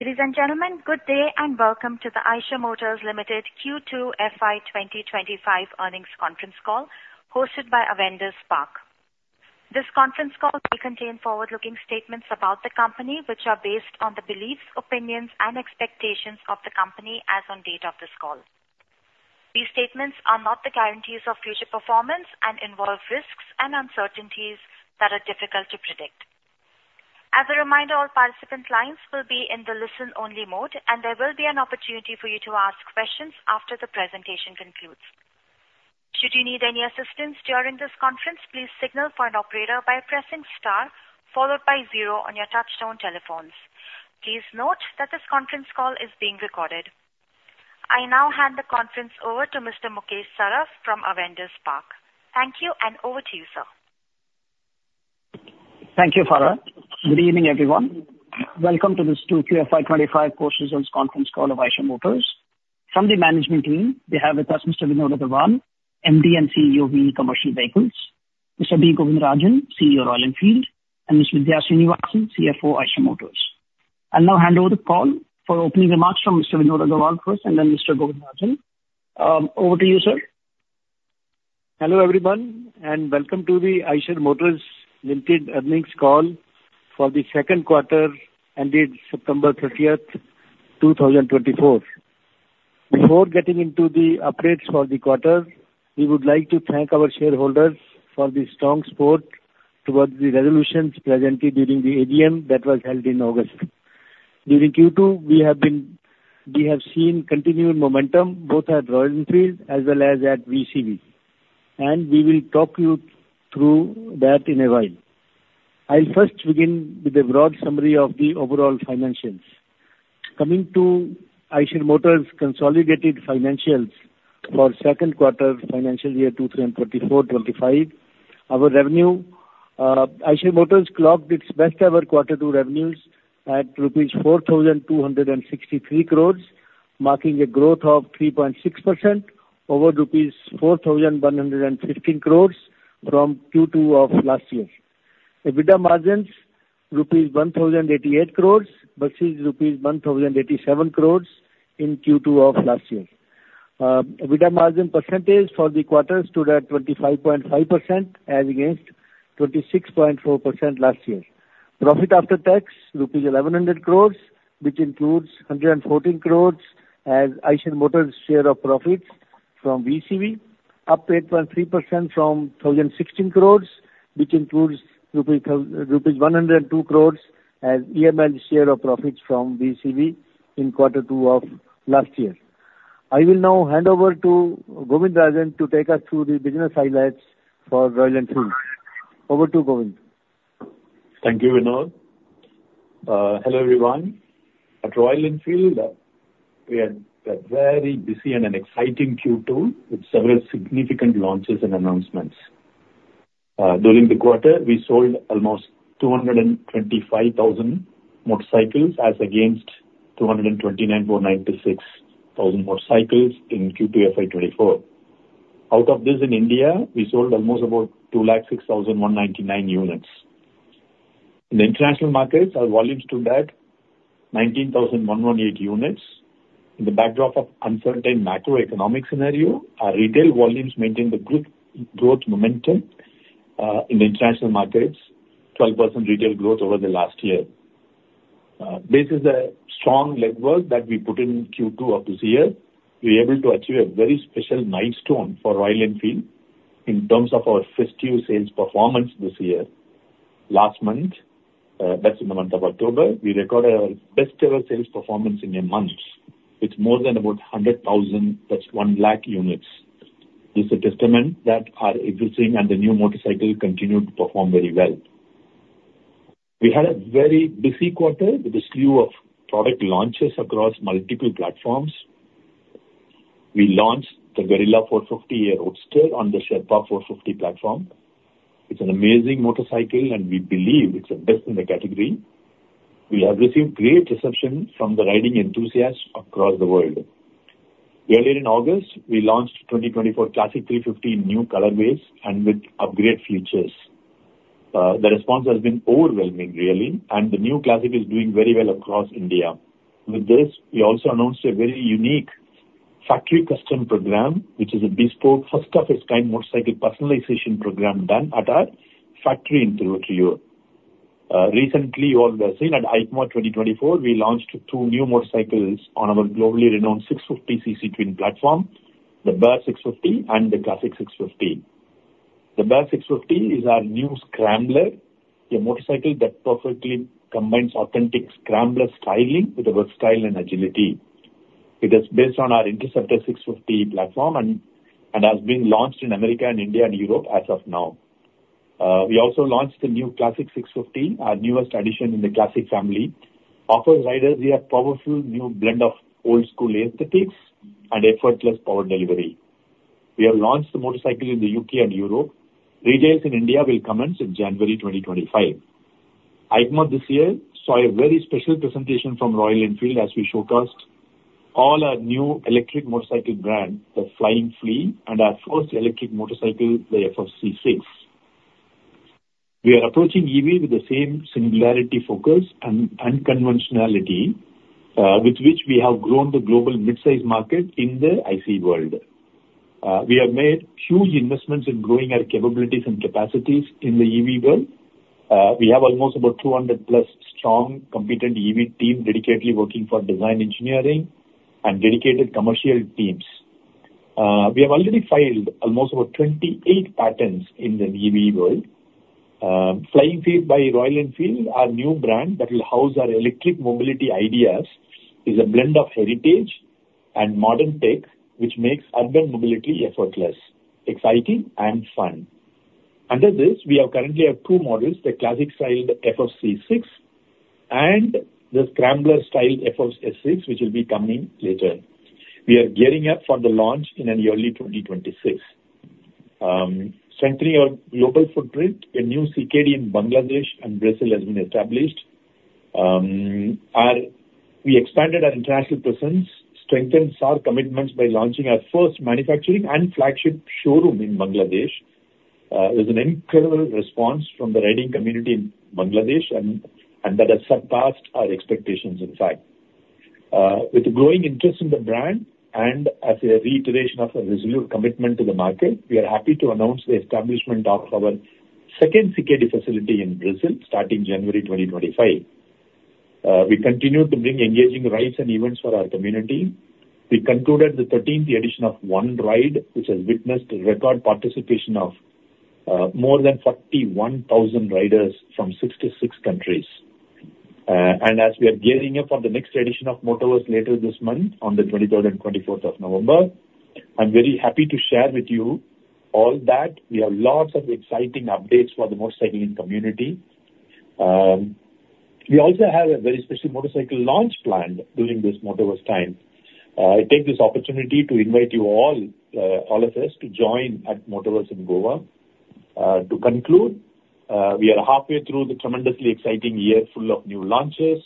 Ladies and gentlemen, good day and welcome to the Eicher Motors Limited Q2 FY 2025 earnings conference call hosted by Avendus Spark. This conference call may contain forward-looking statements about the company, which are based on the beliefs, opinions, and expectations of the company as on date of this call. These statements are not the guarantees of future performance and involve risks and uncertainties that are difficult to predict. As a reminder, all participant lines will be in the listen-only mode, and there will be an opportunity for you to ask questions after the presentation concludes. Should you need any assistance during this conference, please signal for an operator by pressing star followed by zero on your touch-tone telephones. Please note that this conference call is being recorded. I now hand the conference over to Mr. Mukesh Saraf from Avendus Spark. Thank you, and over to you, sir. Thank you, Saraf. Good evening, everyone. Welcome to this Q2 FY 25 post-results conference call of Eicher Motors. From the management team, we have with us Mr. Vinod Aggarwal, MD and CEO of VE Commercial Vehicles; Mr. B. Govindarajan, CEO of Royal Enfield; and Ms. Vidhya Srinivasan, CFO of Eicher Motors. I'll now hand over the call for opening remarks from Mr. Vinod Aggarwal first, and then Mr. Govindarajan. Over to you, sir. Hello everyone, and welcome to the Eicher Motors Limited earnings call for the second quarter ended September 30, 2024. Before getting into the updates for the quarter, we would like to thank our shareholders for the strong support towards the resolutions presented during the AGM that was held in August. During Q2, we have seen continued momentum both at Royal Enfield as well as at VECV, and we will talk you through that in a while. I'll first begin with a broad summary of the overall financials. Coming to Eicher Motors' consolidated financials for second quarter financial year 2024-25, our revenue, Eicher Motors clocked its best-ever quarter two revenues at rupees 4,263 crores, marking a growth of 3.6% over rupees 4,115 crores from Q2 of last year. EBITDA margins: rupees 1,088 crores versus rupees 1,087 crores in Q2 of last year. EBITDA margin percentage for the quarter stood at 25.5% as against 26.4% last year. Profit after tax: rupees 1,100 crores, which includes 114 crores as Eicher Motors' share of profits from VECV, up 8.3% from 1,016 crores, which includes rupees 102 crores as EML share of profits from VECV in quarter two of last year. I will now hand over to Govindarajan to take us through the business highlights for Royal Enfield. Over to Govind. Thank you, Vinod. Hello everyone. At Royal Enfield, we had a very busy and exciting Q2 with several significant launches and announcements. During the quarter, we sold almost 225,000 motorcycles as against 229,496 motorcycles in Q2 FY 24. Out of this, in India, we sold almost about 206,199 units. In the international markets, our volumes stood at 19,118 units. In the backdrop of an uncertain macroeconomic scenario, our retail volumes maintained good growth momentum in the international markets, 12% retail growth over the last year. Based on the strong legwork that we put in Q2 of this year, we were able to achieve a very special milestone for Royal Enfield in terms of our festive sales performance this year. Last month, that's in the month of October, we recorded our best-ever sales performance in a month, with more than about 100,000—that's 100,000 units. This is a testament that our existing and the new motorcycle continue to perform very well. We had a very busy quarter with a slew of product launches across multiple platforms. We launched the Guerrilla 450 Roadster on the Sherpa 450 platform. It's an amazing motorcycle, and we believe it's the best in the category. We have received great reception from the riding enthusiasts across the world. Earlier in August, we launched the 2024 Classic 350 in new colorways and with upgrade features. The response has been overwhelming, really, and the new Classic is doing very well across India. With this, we also announced a very unique factory custom program, which is a bespoke, first-of-its-kind motorcycle personalization program done at our factory in Thiruvottiyur. Recently, you all were seen at EICMA 2024. We launched two new motorcycles on our globally renowned 650cc twin platform, the Bear 650 and the Classic 650. The Bear 650 is our new scrambler, a motorcycle that perfectly combines authentic scrambler styling with a versatile agility. It is based on our Interceptor 650 platform and has been launched in America, India, and Europe as of now. We also launched the new Classic 650, our newest addition in the Classic family. It offers riders a powerful new blend of old-school aesthetics and effortless power delivery. We have launched the motorcycle in the U.K. and Europe. Retail in India will commence in January 2025. EICMA this year saw a very special presentation from Royal Enfield as we showcased our new electric motorcycle brand, the Flying Flea, and our first electric motorcycle, the FFC6. We are approaching EV with the same singularity focus and unconventionality with which we have grown the global mid-size market in the IC world. We have made huge investments in growing our capabilities and capacities in the EV world. We have almost about 200-plus strong, competent EV teams dedicatedly working for design engineering and dedicated commercial teams. We have already filed almost about 28 patents in the EV world. Flying Flea by Royal Enfield, our new brand that will house our electric mobility ideas, is a blend of heritage and modern tech, which makes urban mobility effortless, exciting, and fun. Under this, we currently have two models: the Classic-styled FFC6 and the scrambler-styled FFS6, which will be coming later. We are gearing up for the launch in early 2026. Strengthening our global footprint, a new CKD in Bangladesh and Brazil has been established. We expanded our international presence, strengthened our commitments by launching our first manufacturing and flagship showroom in Bangladesh. There's an incredible response from the riding community in Bangladesh, and that has surpassed our expectations, in fact. With the growing interest in the brand and as a reiteration of our resolute commitment to the market, we are happy to announce the establishment of our second CKD facility in Brazil starting January 2025. We continue to bring engaging rides and events for our community. We concluded the 13th edition of One Ride, which has witnessed record participation of more than 41,000 riders from 66 countries. And as we are gearing up for the next edition of Motoverse later this month on the 28th of November, I'm very happy to share with you all that. We have lots of exciting updates for the motorcycling community. We also have a very special motorcycle launch planned during this Motoverse time. I take this opportunity to invite you all, all of us, to join at Motoverse in Goa. To conclude, we are halfway through the tremendously exciting year full of new launches,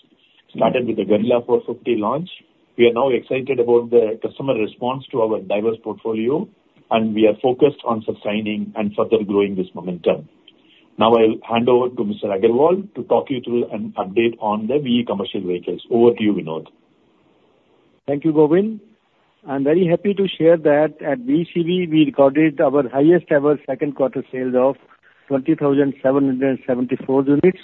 started with the Guerrilla 450 launch. We are now excited about the customer response to our diverse portfolio, and we are focused on sustaining and further growing this momentum. Now, I'll hand over to Mr. Aggarwal to talk you through an update on the VE Commercial Vehicles. Over to you, Vinod. Thank you, Govind. I'm very happy to share that at VECV, we recorded our highest-ever second quarter sales of 20,774 units,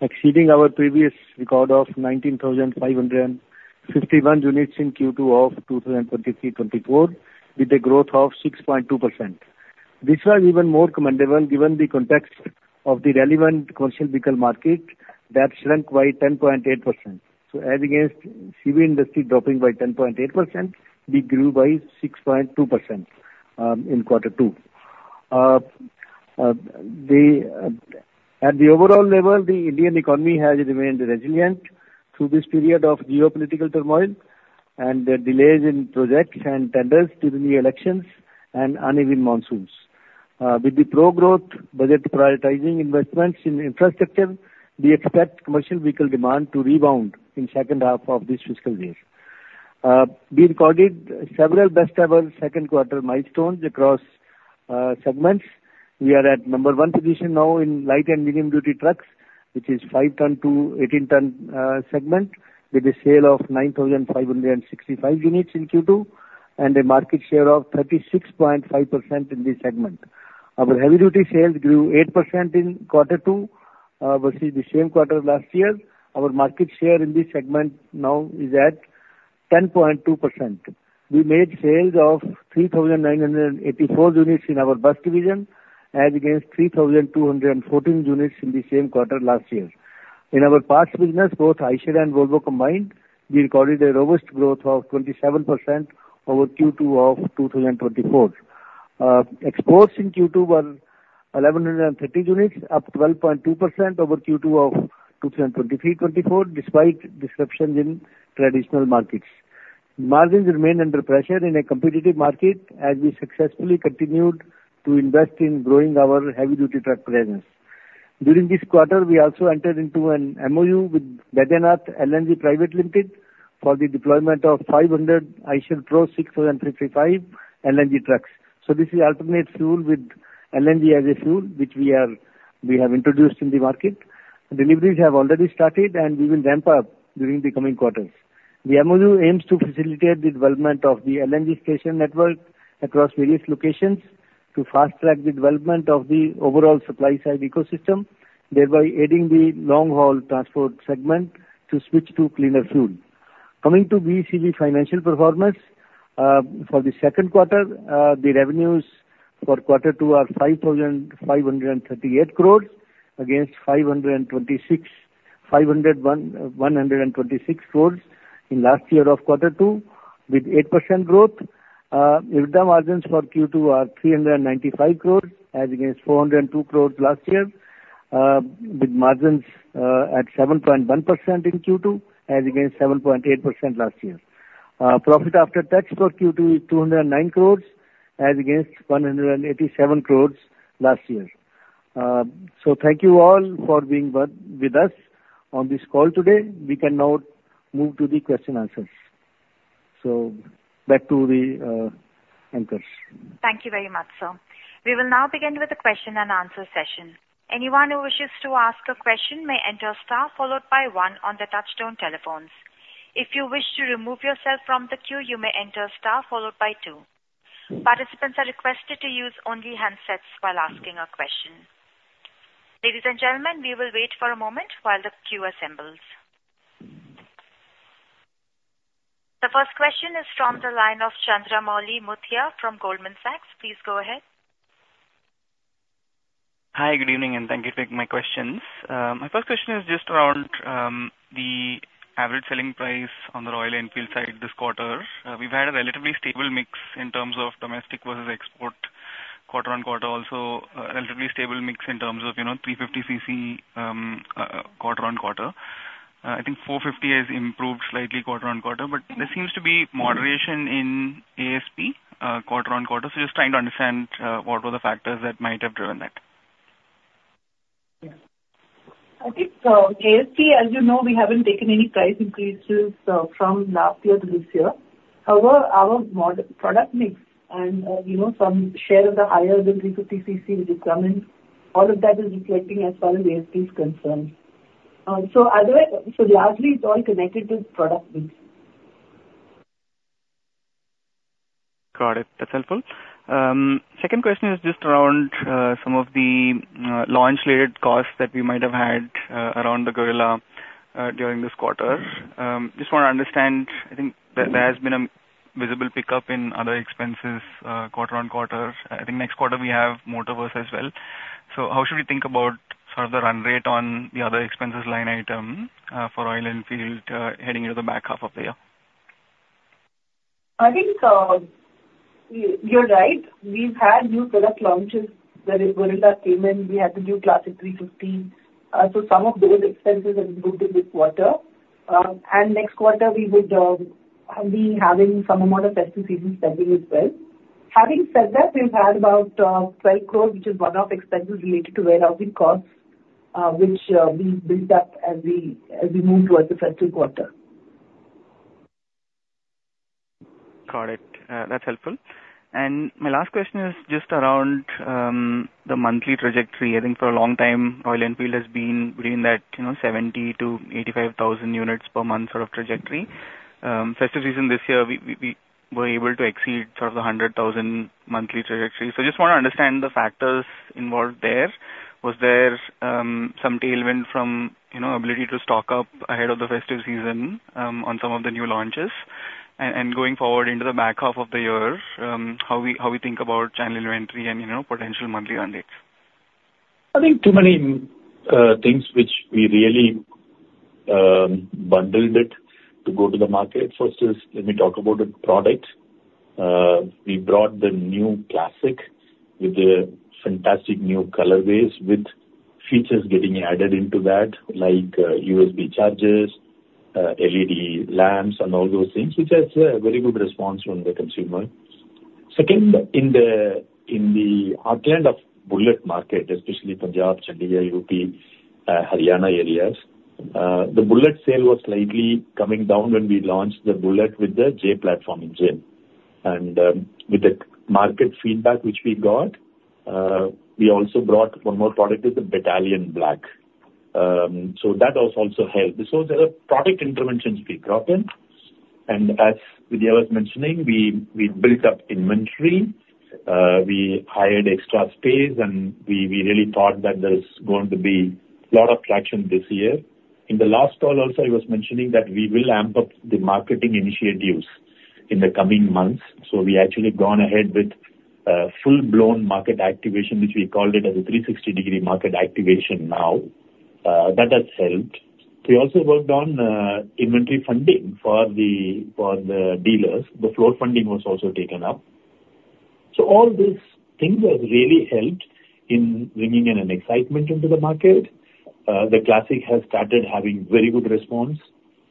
exceeding our previous record of 19,551 units in Q2 of 2023-24, with a growth of 6.2%. This was even more commendable given the context of the relevant commercial vehicle market that shrank by 10.8%. As against CV industry dropping by 10.8%, we grew by 6.2% in quarter two. At the overall level, the Indian economy has remained resilient through this period of geopolitical turmoil and delays in projects and tenders during the elections and uneven monsoons. With the pro-growth budget prioritizing investments in infrastructure, we expect commercial vehicle demand to rebound in the second half of this fiscal year. We recorded several best-ever second quarter milestones across segments. We are at number one position now in light and medium-duty trucks, which is 5-ton to 18-ton segment, with a sale of 9,565 units in Q2 and a market share of 36.5% in this segment. Our heavy-duty sales grew 8% in quarter two versus the same quarter last year. Our market share in this segment now is at 10.2%. We made sales of 3,984 units in our bus division as against 3,214 units in the same quarter last year. In our parts business, both Eicher and Volvo combined, we recorded a robust growth of 27% over Q2 of 2024. Exports in Q2 were 1,130 units, up 12.2% over Q2 of 2023-24, despite disruptions in traditional markets. Margins remained under pressure in a competitive market as we successfully continued to invest in growing our heavy-duty truck presence. During this quarter, we also entered into an MOU with Baidyanath LNG Private Limited for the deployment of 500 Eicher Pro 6355 LNG trucks. So this is alternative fuel with LNG as a fuel, which we have introduced in the market. Deliveries have already started, and we will ramp up during the coming quarters. The MOU aims to facilitate the development of the LNG station network across various locations to fast-track the development of the overall supply-side ecosystem, thereby aiding the long-haul transport segment to switch to cleaner fuel. Coming to VECV financial performance for the second quarter, the revenues for quarter two are 5,538 crores against 526 crores in last year of quarter two, with 8% growth. EBITDA margins for Q2 are 395 crores as against 402 crores last year, with margins at 7.1% in Q2 as against 7.8% last year. Profit after tax for Q2 is 209 crores as against 187 crores last year. So thank you all for being with us on this call today. We can now move to the question and answers. So back to the anchors. Thank you very much, sir. We will now begin with the question and answer session. Anyone who wishes to ask a question may enter star followed by one on the touch-tone telephones. If you wish to remove yourself from the queue, you may enter star followed by two. Participants are requested to use only handsets while asking a question. Ladies and gentlemen, we will wait for a moment while the queue assembles. The first question is from the line of Chandramouli Muthiah from Goldman Sachs. Please go ahead. Hi, good evening, and thank you for taking my questions. My first question is just around the average selling price on the Royal Enfield side this quarter. We've had a relatively stable mix in terms of domestic versus export quarter on quarter, also a relatively stable mix in terms of 350cc quarter on quarter. I think 450 has improved slightly quarter on quarter, but there seems to be moderation in ASP quarter on quarter. So just trying to understand what were the factors that might have driven that? I think ASP, as you know, we haven't taken any price increases from last year to this year. However, our product mix and some share of the higher than 350cc, which is common, all of that is reflecting as far as ASP is concerned. So largely, it's all connected to product mix. Got it. That's helpful. Second question is just around some of the launch-related costs that we might have had around the Guerrilla during this quarter. Just want to understand, I think there has been a visible pickup in other expenses quarter on quarter. I think next quarter we have Motoverse as well. So how should we think about sort of the run rate on the other expenses line item for Royal Enfield heading into the back half of the year? I think you're right. We've had new product launches, that is, Guerrilla 450. We had the new Classic 350. So some of those expenses have improved in this quarter. And next quarter, we would be having some amount of festive season spending as well. Having said that, we've had about 12 crores, which is one-off expenses related to warehousing costs, which we built up as we moved towards the festive quarter. Got it. That's helpful. And my last question is just around the monthly trajectory. I think for a long time, Royal Enfield has been between that 70,000 to 85,000 units per month sort of trajectory. Festive season this year, we were able to exceed sort of the 100,000 monthly trajectory. So just want to understand the factors involved there. Was there some tailwind from ability to stock up ahead of the festive season on some of the new launches? And going forward into the back half of the year, how we think about channel inventory and potential monthly run rates? I think two main things which we really bundled it to go to the market. First is, let me talk about the product. We brought the new Classic with the fantastic new colorways, with features getting added into that, like USB chargers, LED lamps, and all those things, which has a very good response from the consumer. Second, in the heartland of Bullet market, especially Punjab, Chandigarh, UP, Haryana areas, the Bullet sale was slightly coming down when we launched the Bullet with the J-series engine. And with the market feedback which we got, we also brought one more product, the Battalion Black. So that also helped. So there are product interventions we brought in. And as Vidhya was mentioning, we built up inventory. We hired extra space, and we really thought that there's going to be a lot of traction this year. In the last call, also, I was mentioning that we will amp up the marketing initiatives in the coming months. So we actually have gone ahead with full-blown market activation, which we called it as a 360-degree market activation now. That has helped. We also worked on inventory funding for the dealers. The floor funding was also taken up. So all these things have really helped in bringing in an excitement into the market. The Classic has started having very good response.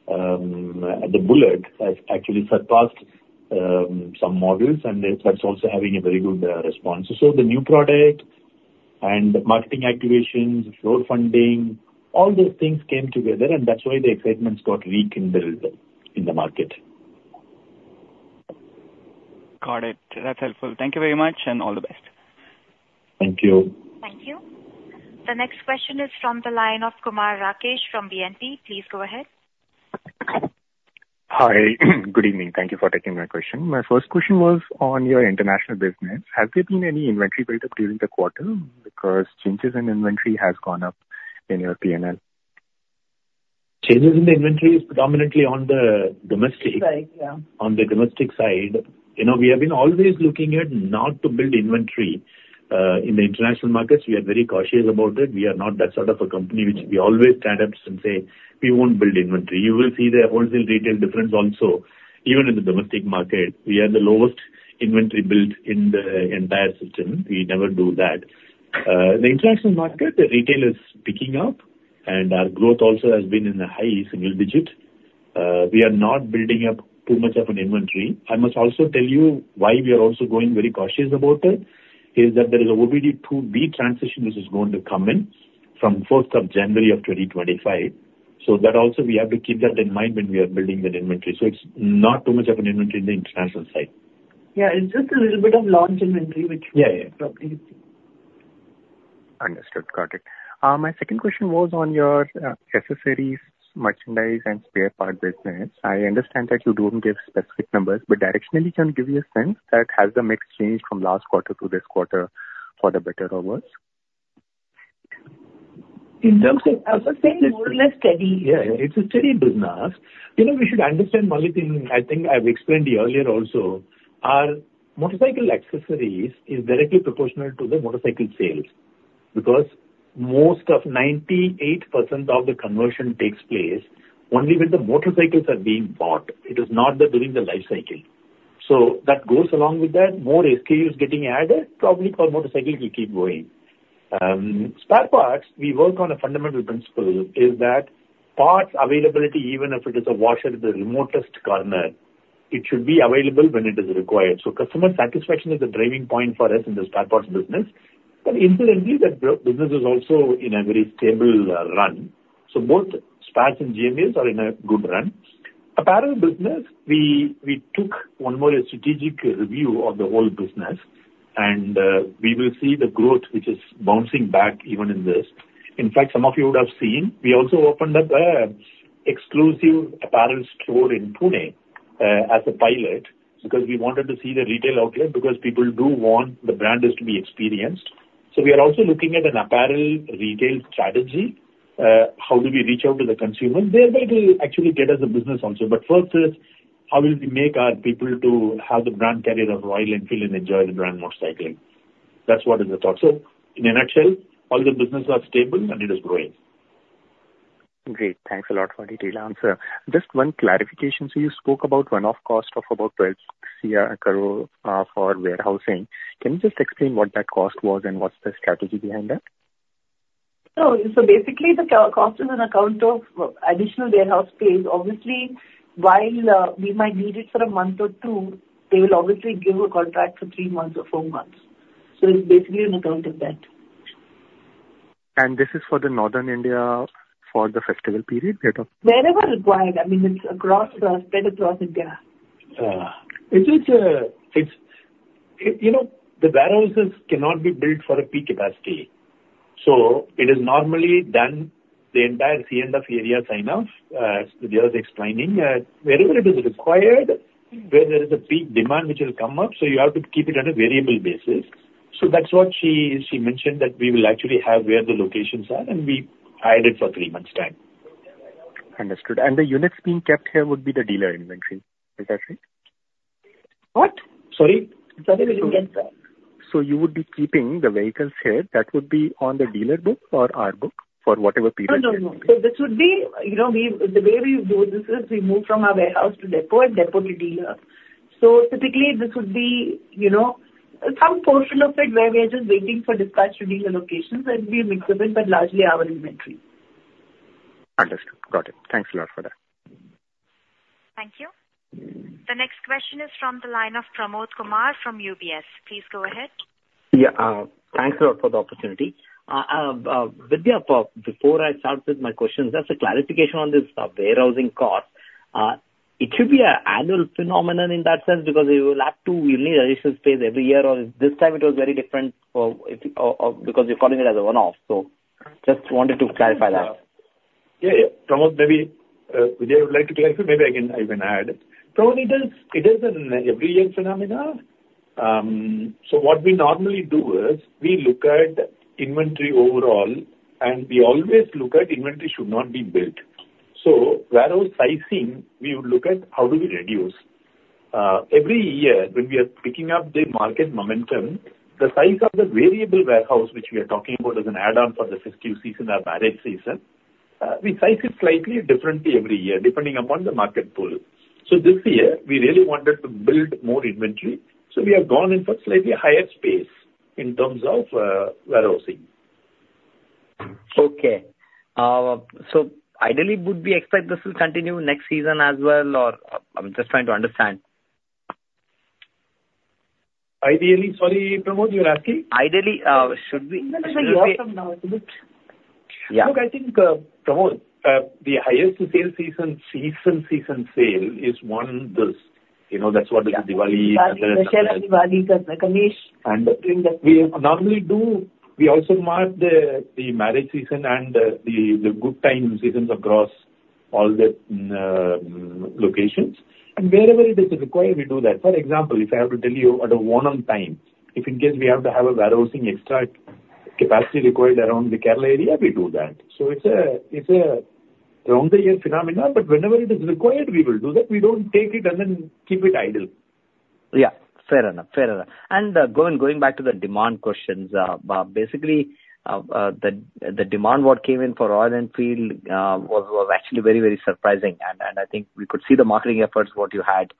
The Bullet has actually surpassed some models, and that's also having a very good response. So the new product and marketing activations, floor funding, all those things came together, and that's why the excitement got rekindled in the market. Got it. That's helpful. Thank you very much, and all the best. Thank you. Thank you. The next question is from the line of Kumar Rakesh from BNP. Please go ahead. Hi. Good evening. Thank you for taking my question. My first question was on your international business. Has there been any inventory build-up during the quarter because changes in inventory have gone up in your P&L? Changes in the inventory is predominantly on the domestic. Right, yeah. On the domestic side. We have been always looking at not to build inventory in the international markets. We are very cautious about it. We are not that sort of a company which we always stand up and say, "We won't build inventory." You will see the wholesale retail difference also, even in the domestic market. We are the lowest inventory built in the entire system. We never do that. The international market, the retail is picking up, and our growth also has been in the high single digit. We are not building up too much of an inventory. I must also tell you why we are also going very cautious about it, is that there is an OBD2B transition which is going to come in from 4th of January of 2025. So that also, we have to keep that in mind when we are building that inventory. It's not too much of an inventory in the international side. Yeah. It's just a little bit of launch inventory, which we probably. Understood. Got it. My second question was on your accessories, merchandise, and spare part business. I understand that you don't give specific numbers, but directionally, can you give us a sense of whether the mix has changed from last quarter to this quarter for the better or worse? In terms of assessment, it's a steady. Yeah, yeah. It's a steady business. We should understand, one thing, and I think I've explained earlier also, our motorcycle accessories is directly proportional to the motorcycle sales because most of 98% of the conversion takes place only when the motorcycles are being bought. It is not during the life cycle. So that goes along with that. More SKUs getting added, probably for motorcycles will keep going. Spare parts, we work on a fundamental principle, is that parts availability, even if it is a washer in the remotest corner, it should be available when it is required. So customer satisfaction is a driving point for us in the spare parts business. But incidentally, that business is also in a very stable run. So both spares and GMAs are in a good run. Apparel business, we took one more strategic review of the whole business, and we will see the growth which is bouncing back even in this. In fact, some of you would have seen, we also opened up an exclusive apparel store in Pune as a pilot because we wanted to see the retail outlet because people do want the brand to be experienced. So we are also looking at an apparel retail strategy. How do we reach out to the consumers? They're able to actually get us a business also. But first is, how will we make our people have the brand carrier of Royal Enfield and enjoy the brand motorcycling? That's what is the thought. So in a nutshell, all the business are stable, and it is growing. Great. Thanks a lot for the detailed answer. Just one clarification. You spoke about one-off cost of about 12 crore for warehousing. Can you just explain what that cost was and what's the strategy behind that? So basically, the cost is on account of additional warehouse space. Obviously, while we might need it for a month or two, they will obviously give a contract for three months or four months. So it's basically on account of that. This is for Northern India for the festival period? Wherever required. I mean, it's spread across India. The warehouses cannot be built for a peak capacity. So it is normally done the entire C&F areas sign-off, as Vidhya was explaining. Wherever it is required, where there is a peak demand which will come up, so you have to keep it on a variable basis. So that's what she mentioned that we will actually have where the locations are, and we hold it for three months' time. Understood. And the units being kept here would be the dealer inventory. Is that right? What? Sorry. So you would be keeping the vehicles here. That would be on the dealer book or our book for whatever period? No, no, no. So this would be the way we do this is we move from our warehouse to depot and depot to dealer. So typically, this would be some portion of it where we are just waiting for dispatch to dealer locations. That would be a mix of it, but largely our inventory. Understood. Got it. Thanks a lot for that. Thank you. The next question is from the line of Pramod Kumar from UBS. Please go ahead. Yeah. Thanks a lot for the opportunity. Vidhya, before I start with my questions, just a clarification on this warehousing cost. It should be an annual phenomenon in that sense because you will have to, you need additional space every year, or this time it was very different because you're calling it as a one-off. So just wanted to clarify that. Yeah, yeah. Pramod, maybe Vidhya would like to clarify. Maybe I can add it. Pramod, it is an every-year phenomenon. So what we normally do is we look at inventory overall, and we always look at inventory should not be built. So warehouse sizing, we would look at how do we reduce. Every year, when we are picking up the market momentum, the size of the variable warehouse, which we are talking about as an add-on for the festive season or marriage season, we size it slightly differently every year, depending upon the market pull. So this year, we really wanted to build more inventory. So we have gone in for slightly higher space in terms of warehousing. Okay, so ideally, would we expect this to continue next season as well, or I'm just trying to understand? Ideally, sorry, Pramod, you were asking? Ideally, should we? Look, I think, Pramod, the highest sales season is on this. That's what is Diwali. Yeah, especially Diwali, Ganesh. We normally do. We also mark the marriage season and the good time seasons across all the locations. Wherever it is required, we do that. For example, if I have to tell you at one time, if in case we have to have a warehousing extra capacity required around the Kerala area, we do that. It's a round-the-year phenomenon, but whenever it is required, we will do that. We don't take it and then keep it idle. Yeah. Fair enough. Fair enough. And going back to the demand questions, basically, the demand what came in for Royal Enfield was actually very, very surprising. And I think we could see the marketing efforts, what you had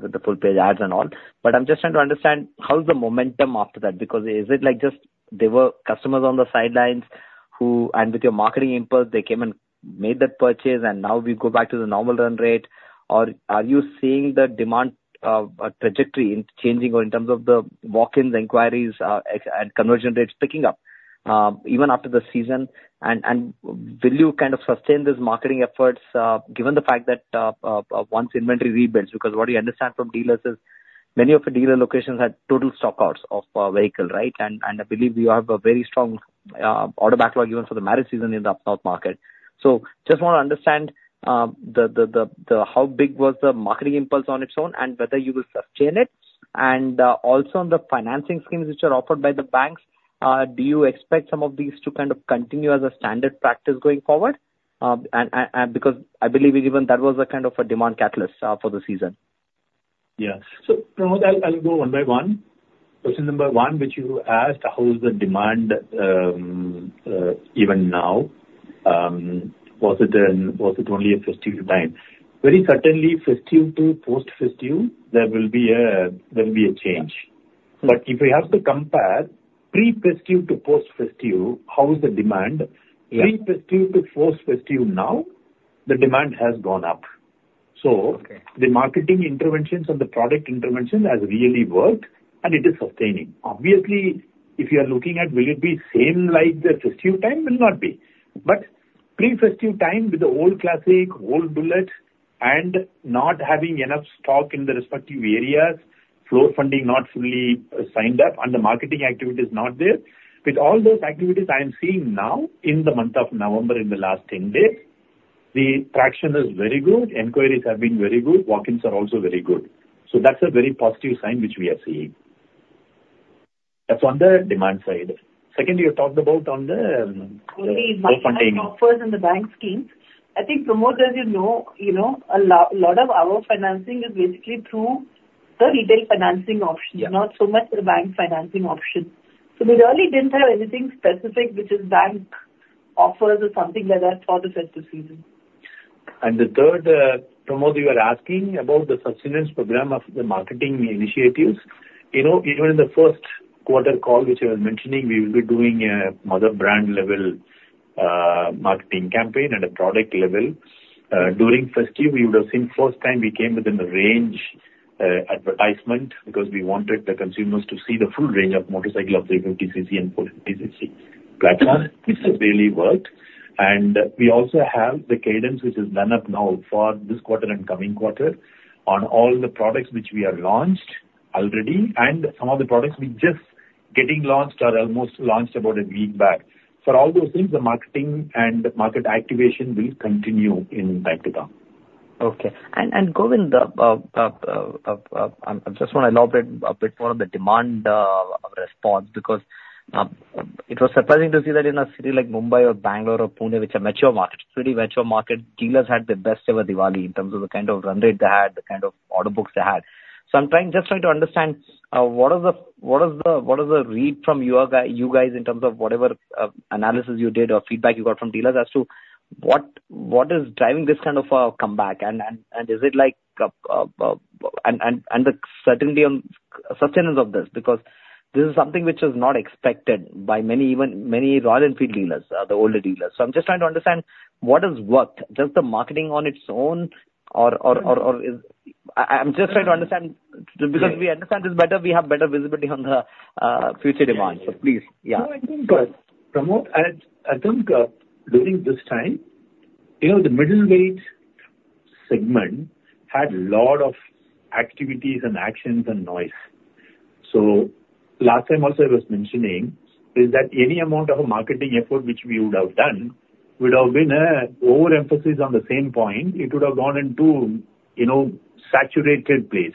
with the full-page ads and all. But I'm just trying to understand how's the momentum after that? Because is it like just there were customers on the sidelines who, and with your marketing input, they came and made that purchase, and now we go back to the normal run rate? Or are you seeing the demand trajectory changing in terms of the walk-ins, inquiries, and conversion rates picking up even after the season? And will you kind of sustain these marketing efforts given the fact that once inventory rebuilds? Because what I understand from dealers is many of the dealer locations had total stockouts of vehicles, right? I believe you have a very strong order backlog even for the marriage season in the UP and out market. So just want to understand how big was the marketing impulse on its own and whether you will sustain it? And also on the financing schemes which are offered by the banks, do you expect some of these to kind of continue as a standard practice going forward? Because I believe even that was a kind of a demand catalyst for the season. Yeah. Pramod, I'll go one by one. Question number one, which you asked, how is the demand even now? Was it only a festive time? Very certainly, festive to post-festive, there will be a change. But if we have to compare pre-festive to post-festive, how is the demand? Pre-festive to post-festive now, the demand has gone up. So the marketing interventions and the product intervention has really worked, and it is sustaining. Obviously, if you are looking at, will it be same like the festive time? Will not be. But pre-festive time with the old Classic, old Bullet, and not having enough stock in the respective areas, floor funding not fully signed up, and the marketing activity is not there. With all those activities I'm seeing now in the month of November in the last 10 days, the traction is very good. Inquiries have been very good. Walk-ins are also very good. So that's a very positive sign which we are seeing. That's on the demand side. Second, you talked about on the. On the marketing offers and the bank schemes. I think, Pramod, as you know, a lot of our financing is basically through the retail financing option, not so much the bank financing option. So we really didn't have anything specific, which is bank offers or something like that for the festive season. The third, Pramod, you were asking about the sustenance program of the marketing initiatives. Even in the first quarter call, which I was mentioning, we will be doing a mother brand level marketing campaign at a product level. During festive, we would have seen first time we came within the range advertisement because we wanted the consumers to see the full range of motorcycle of 350cc and 450cc platform, which has really worked. And we also have the cadence which is done up now for this quarter and coming quarter on all the products which we have launched already, and some of the products we just getting launched are almost launched about a week back. For all those things, the marketing and market activation will continue in time to come. Okay. And going up, I just want to elaborate a bit more on the demand response because it was surprising to see that in a city like Mumbai or Bangalore or Pune, which are mature markets, pretty mature markets, dealers had the best ever Diwali in terms of the kind of run rate they had, the kind of order books they had. So I'm just trying to understand what is the read from you guys in terms of whatever analysis you did or feedback you got from dealers as to what is driving this kind of a comeback? And is it like and the certainty on sustenance of this because this is something which is not expected by many Royal Enfield dealers, the older dealers. So I'm just trying to understand what has worked. Just the marketing on its own, or? I'm just trying to understand because we understand this better, we have better visibility on the future demand. So please, yeah. No, I think Pramod, I think during this time, the middle-weight segment had a lot of activities and actions and noise. So last time also I was mentioning is that any amount of a marketing effort which we would have done would have been an overemphasis on the same point. It would have gone into a saturated place.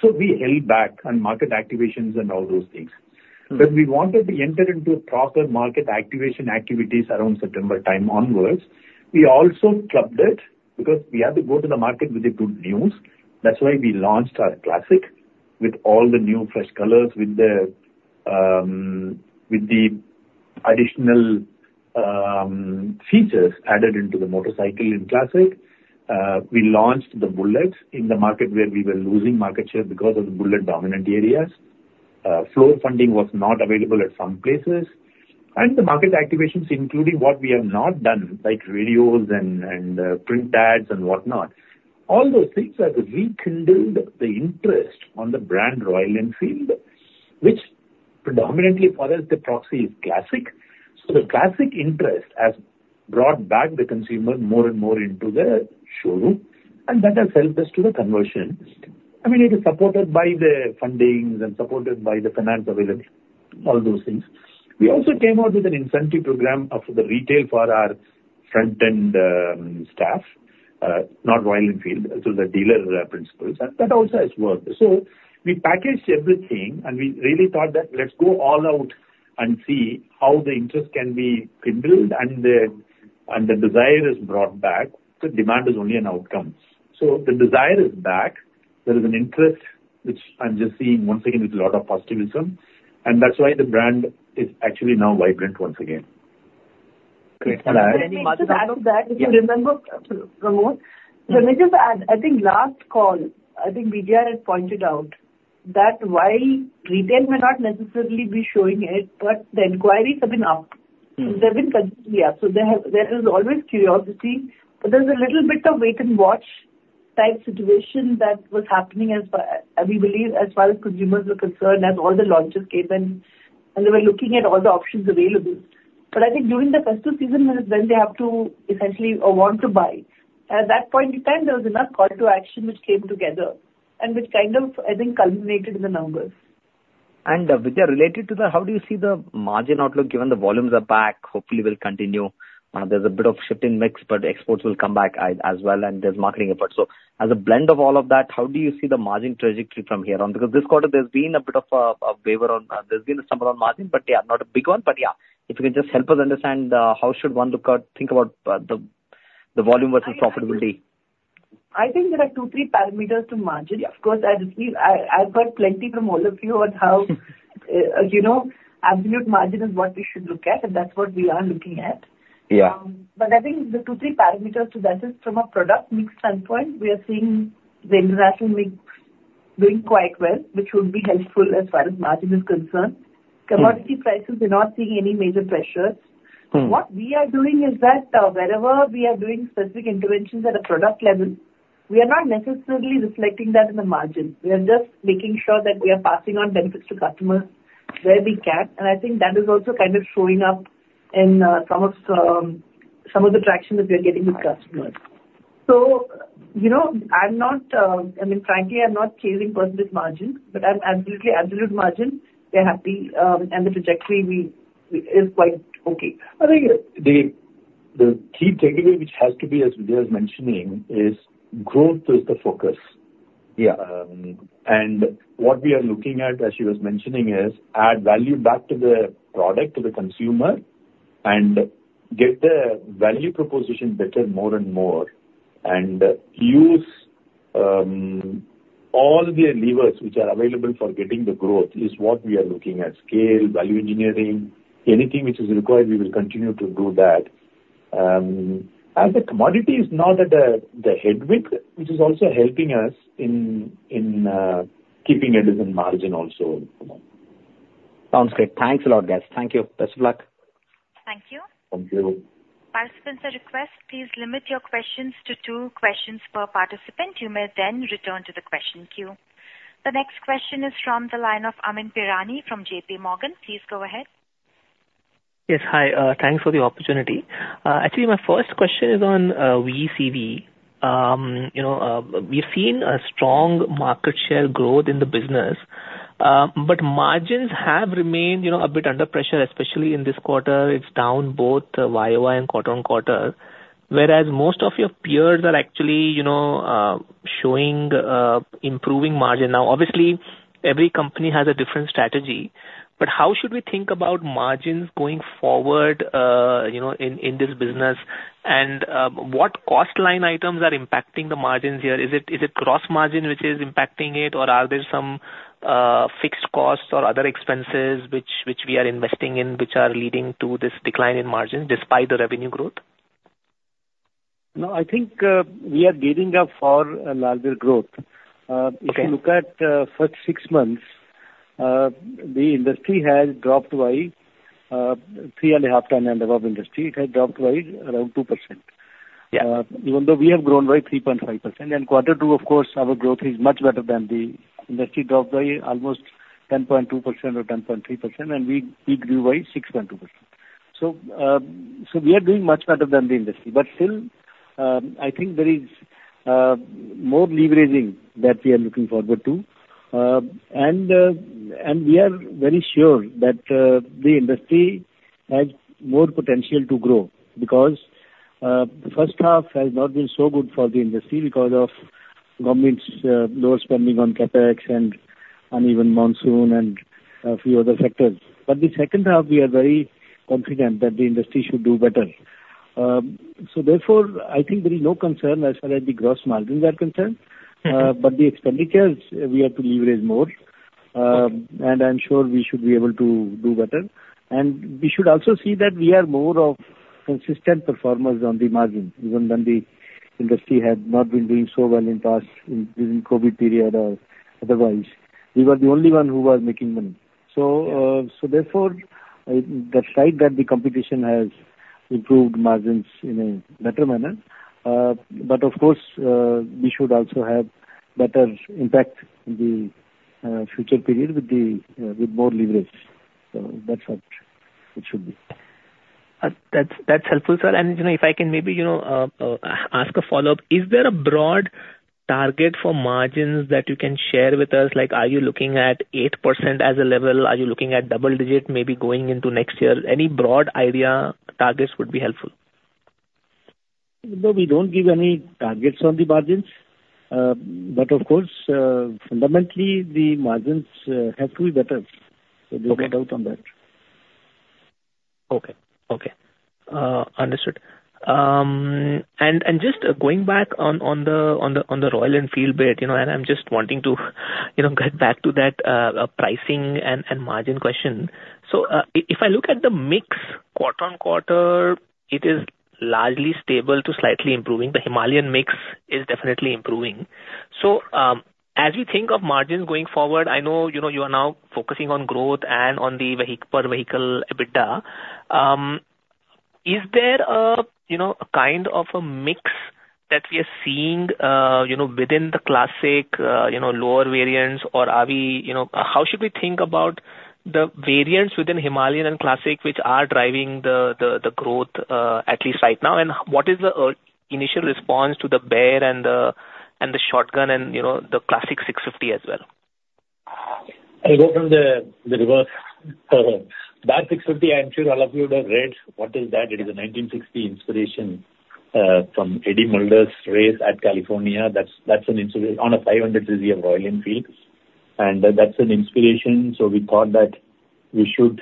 So we held back on market activations and all those things. When we wanted to enter into proper market activation activities around September time onwards, we also clubbed it because we had to go to the market with the good news. That's why we launched our Classic with all the new fresh colors with the additional features added into the motorcycle in Classic. We launched the Bullets in the market where we were losing market share because of the Bullet dominant areas. Floor funding was not available at some places. The market activations, including what we have not done, like radios and print ads and whatnot, all those things have rekindled the interest in the brand Royal Enfield, which predominantly follows the proxies, i.e., Classic. The Classic interest has brought back the consumer more and more into the showroom, and that has helped us with the conversion. I mean, it is supported by the funding and supported by the financing available, all those things. We also came out with an incentive program for the retail for our front-end staff, not Royal Enfield, through the dealer principals. That also has worked. We packaged everything, and we really thought that let's go all out and see how the interest can be kindled, and the desire is brought back. The demand is only an outcome. The desire is back. There is an interest, which I'm just seeing once again with a lot of positivism, and that's why the brand is actually now vibrant once again. Great. Can I just add to that? If you remember, Pramod, can I just add? I think last call, I think Vidhya had pointed out that while retail may not necessarily be showing it, but the inquiries have been up. So there have been consumers, yeah. So there is always curiosity, but there's a little bit of wait-and-watch type situation that was happening, as we believe, as far as consumers were concerned, as all the launches came in, and they were looking at all the options available. But I think during the festive season is when they have to essentially want to buy. At that point in time, there was enough call to action which came together and which kind of, I think, culminated in the numbers. And Vidhya, related to that, how do you see the margin outlook given the volumes are back? Hopefully, will continue. There's a bit of shift in mix, but exports will come back as well, and there's marketing efforts. So as a blend of all of that, how do you see the margin trajectory from here on? Because this quarter, there's been a bit of a waver on there's been a stumble on margin, but yeah, not a big one. But yeah, if you can just help us understand how should one look at, think about the volume versus profitability. I think there are two, three parameters to margin. Of course, I've heard plenty from all of you on how absolute margin is what we should look at, and that's what we are looking at. But I think the two, three parameters to that is from a product mix standpoint, we are seeing the international mix doing quite well, which would be helpful as far as margin is concerned. Commodity prices, we're not seeing any major pressures. What we are doing is that wherever we are doing specific interventions at a product level, we are not necessarily reflecting that in the margin. We are just making sure that we are passing on benefits to customers where we can, and I think that is also kind of showing up in some of the traction that we are getting with customers. I'm not, I mean, frankly. I'm not chasing perfect margin, but I'm absolutely absolute margin. We're happy, and the trajectory is quite okay. I think the key takeaway, which has to be as Vidhya is mentioning, is growth is the focus. And what we are looking at, as she was mentioning, is add value back to the product, to the consumer, and get the value proposition better more and more. And use all the levers which are available for getting the growth is what we are looking at: scale, value engineering, anything which is required, we will continue to do that. And the commodity is not at the headwind, which is also helping us in keeping it as a margin also. Sounds great. Thanks a lot, guys. Thank you. Best of luck. Thank you. Thank you. Participants, at request, please limit your questions to two questions per participant. You may then return to the question queue. The next question is from the line of Amyn Pirani from JPMorgan. Please go ahead. Yes. Hi. Thanks for the opportunity. Actually, my first question is on VECV. We've seen a strong market share growth in the business, but margins have remained a bit under pressure, especially in this quarter. It's down both YOY and quarter on quarter, whereas most of your peers are actually showing improving margin now. Obviously, every company has a different strategy, but how should we think about margins going forward in this business? And what cost line items are impacting the margins here? Is it gross margin which is impacting it, or are there some fixed costs or other expenses which we are investing in which are leading to this decline in margins despite the revenue growth? No, I think we are gearing up for another growth. If you look at the first six months, the industry has dropped by three and a half times the end of our industry. It has dropped by around 2%, even though we have grown by 3.5%, and quarter two, of course, our growth is much better than the industry dropped by almost 10.2% or 10.3%, and we grew by 6.2%, so we are doing much better than the industry, but still, I think there is more leveraging that we are looking forward to, and we are very sure that the industry has more potential to grow because the first half has not been so good for the industry because of government's lower spending on CapEx and uneven monsoon and a few other factors, but the second half, we are very confident that the industry should do better. So therefore, I think there is no concern as far as the gross margins are concerned, but the expenditures, we have to leverage more. And I'm sure we should be able to do better. And we should also see that we are more of consistent performers on the margin, even when the industry had not been doing so well in the past, during the COVID period or otherwise. We were the only one who was making money. So therefore, the fact that the competition has improved margins in a better manner, but of course, we should also have better impact in the future period with more leverage. So that's what it should be. That's helpful, sir. And if I can maybe ask a follow-up, is there a broad target for margins that you can share with us? Are you looking at 8% as a level? Are you looking at double-digit, maybe going into next year? Any broad idea targets would be helpful. No, we don't give any targets on the margins. But of course, fundamentally, the margins have to be better. So there's no doubt on that. Okay. Okay. Understood. And just going back on the Royal Enfield bit, and I'm just wanting to get back to that pricing and margin question. So if I look at the mix quarter on quarter, it is largely stable to slightly improving. The Himalayan mix is definitely improving. So as we think of margins going forward, I know you are now focusing on growth and on the per vehicle EBITDA. Is there a kind of a mix that we are seeing within the Classic, lower variants, or how should we think about the variants within Himalayan and Classic which are driving the growth at least right now? And what is the initial response to the Bear and the Shotgun and the Classic 650 as well? I'll go from the reverse. That 650, I'm sure all of you would have read. What is that? It is a 1960 inspiration from Eddie Mulder's race at California. That's an inspiration on a 500cc Royal Enfield. And that's an inspiration. So we thought that we should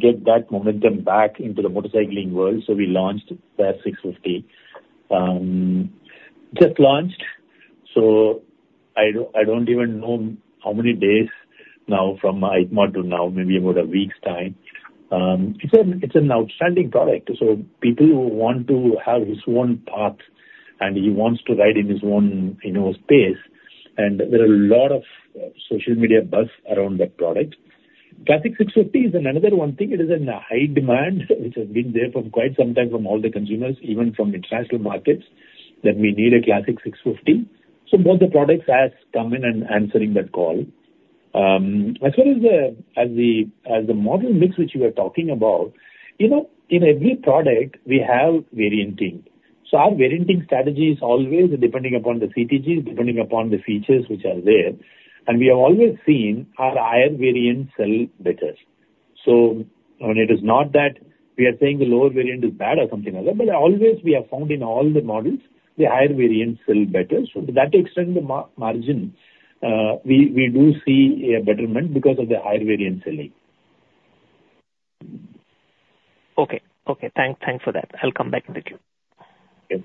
get that momentum back into the motorcycling world. So we launched that 650. Just launched. So I don't even know how many days now from EICMA to now, maybe about a week's time. It's an outstanding product. So people who want to have his own path and he wants to ride in his own space, and there are a lot of social media buzz around that product. Classic 650 is another one thing. It is in high demand, which has been there for quite some time from all the consumers, even from international markets, that we need a Classic 650. So both the products have come in and answered that call. As far as the model mix which you were talking about, in every product, we have varianting. So our varianting strategy is always depending upon the CTGs, depending upon the features which are there. And we have always seen our higher variants sell better. So it is not that we are saying the lower variant is bad or something like that, but always we have found in all the models, the higher variants sell better. So to that extent, the margin, we do see a betterment because of the higher variant selling. Okay. Okay. Thanks for that. I'll come back into it. Yes.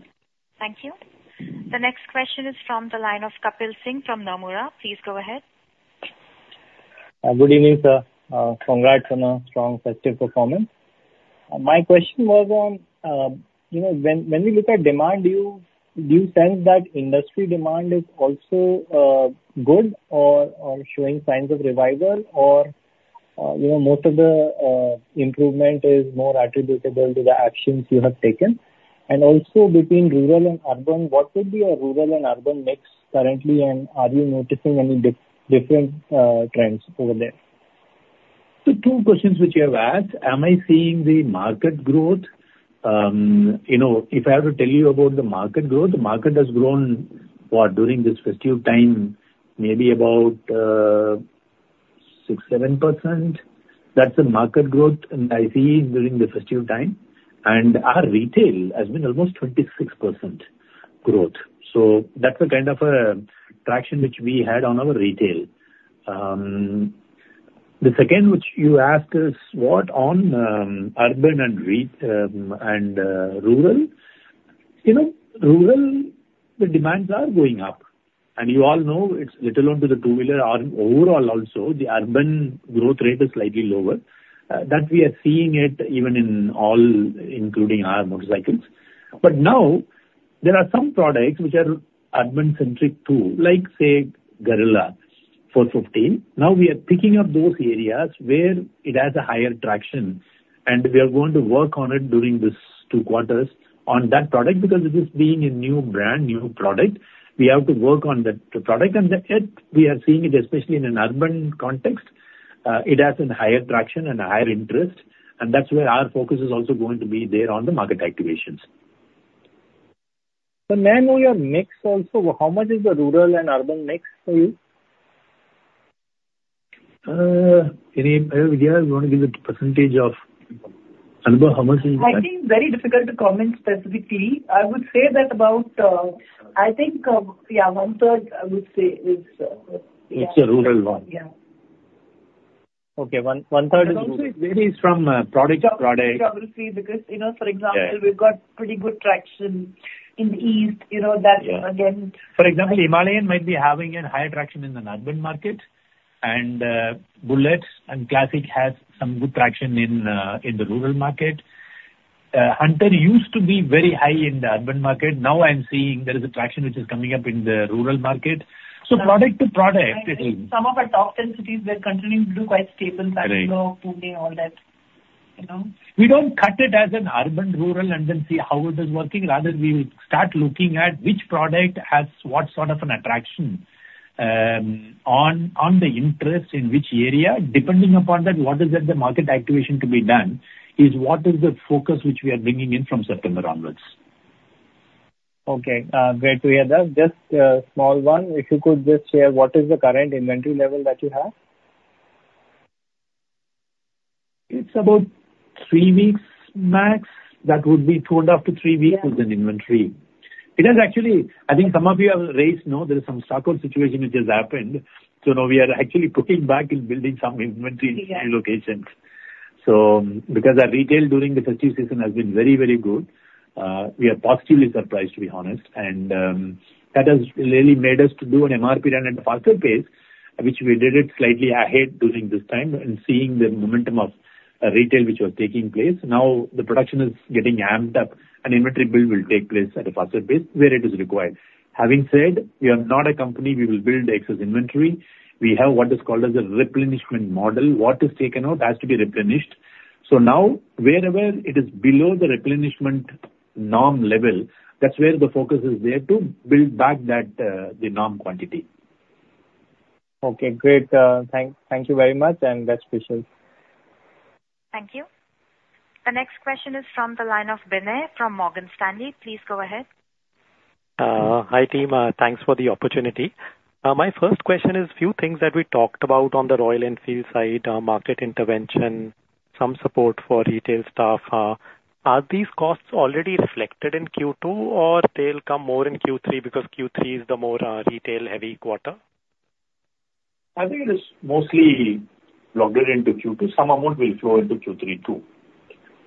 Thank you. The next question is from the line of Kapil Singh from Nomura. Please go ahead. Good evening, sir. Congrats on a strong festive performance. My question was, when we look at demand, do you sense that industry demand is also good or showing signs of revival, or most of the improvement is more attributable to the actions you have taken? And also, between rural and urban, what would be a rural and urban mix currently, and are you noticing any different trends over there? The two questions which you have asked, am I seeing the market growth? If I have to tell you about the market growth, the market has grown during this festive time, maybe about 6%, 7%. That's the market growth that I see during the festive time. And our retail has been almost 26% growth. So that's the kind of traction which we had on our retail. The second which you asked is what on urban and rural? Rural, the demands are going up. And you all know it's little onto the two-wheeler overall also. The urban growth rate is slightly lower. That we are seeing it even in all, including our motorcycles. But now, there are some products which are urban-centric too, like say, Guerrilla 450. Now we are picking up those areas where it has a higher traction. And we are going to work on it during these two quarters on that product because it is being a new brand, new product. We have to work on that product. And we are seeing it, especially in an urban context. It has a higher traction and a higher interest. And that's where our focus is also going to be there on the market activations. May I know your mix also? How much is the rural and urban mix for you? Vidhya, you want to give the percentage of how much is? I think it's very difficult to comment specifically. I would say that about, I think, yeah, one-third, I would say, is. It's a rural one. Yeah. Okay. One-third is rural. I would say it varies from product to product. Geography because, for example, we've got pretty good traction in the east. That's, again. For example, Himalayan might be having a higher traction in the northern market. And Bullet and Classic have some good traction in the rural market. Hunter used to be very high in the urban market. Now I'm seeing there is a traction which is coming up in the rural market. So product to product. Some of our top 10 cities, they're continuing to do quite stable. Great. Like Pune, all that. We don't cut it as an urban, rural, and then see how it is working. Rather, we will start looking at which product has what sort of an attraction on the interest in which area. Depending upon that, what is the market activation to be done is what is the focus which we are bringing in from September onwards. Okay. Great to hear that. Just a small one. If you could just share, what is the current inventory level that you have? It's about three weeks max. That would be two and a half to three weeks with an inventory. It has actually, I think some of you have raised, there is some stockout situation which has happened. So we are actually putting back and building some inventory in some locations. So because our retail during the festive season has been very, very good, we are positively surprised, to be honest. And that has really made us to do an MRP run at a faster pace, which we did it slightly ahead during this time and seeing the momentum of retail which was taking place. Now the production is getting amped up, and inventory build will take place at a faster pace where it is required. Having said, we are not a company. We will build excess inventory. We have what is called as a replenishment model. What is taken out has to be replenished. So now wherever it is below the replenishment norm level, that's where the focus is there to build back the norm quantity. Okay. Great. Thank you very much, and best wishes. Thank you. The next question is from the line of Binay from Morgan Stanley. Please go ahead. Hi team. Thanks for the opportunity. My first question is a few things that we talked about on the Royal Enfield side, market intervention, some support for retail staff. Are these costs already reflected in Q2, or they'll come more in Q3 because Q3 is the more retail-heavy quarter? I think it is mostly logged into Q2. Some amount will flow into Q3 too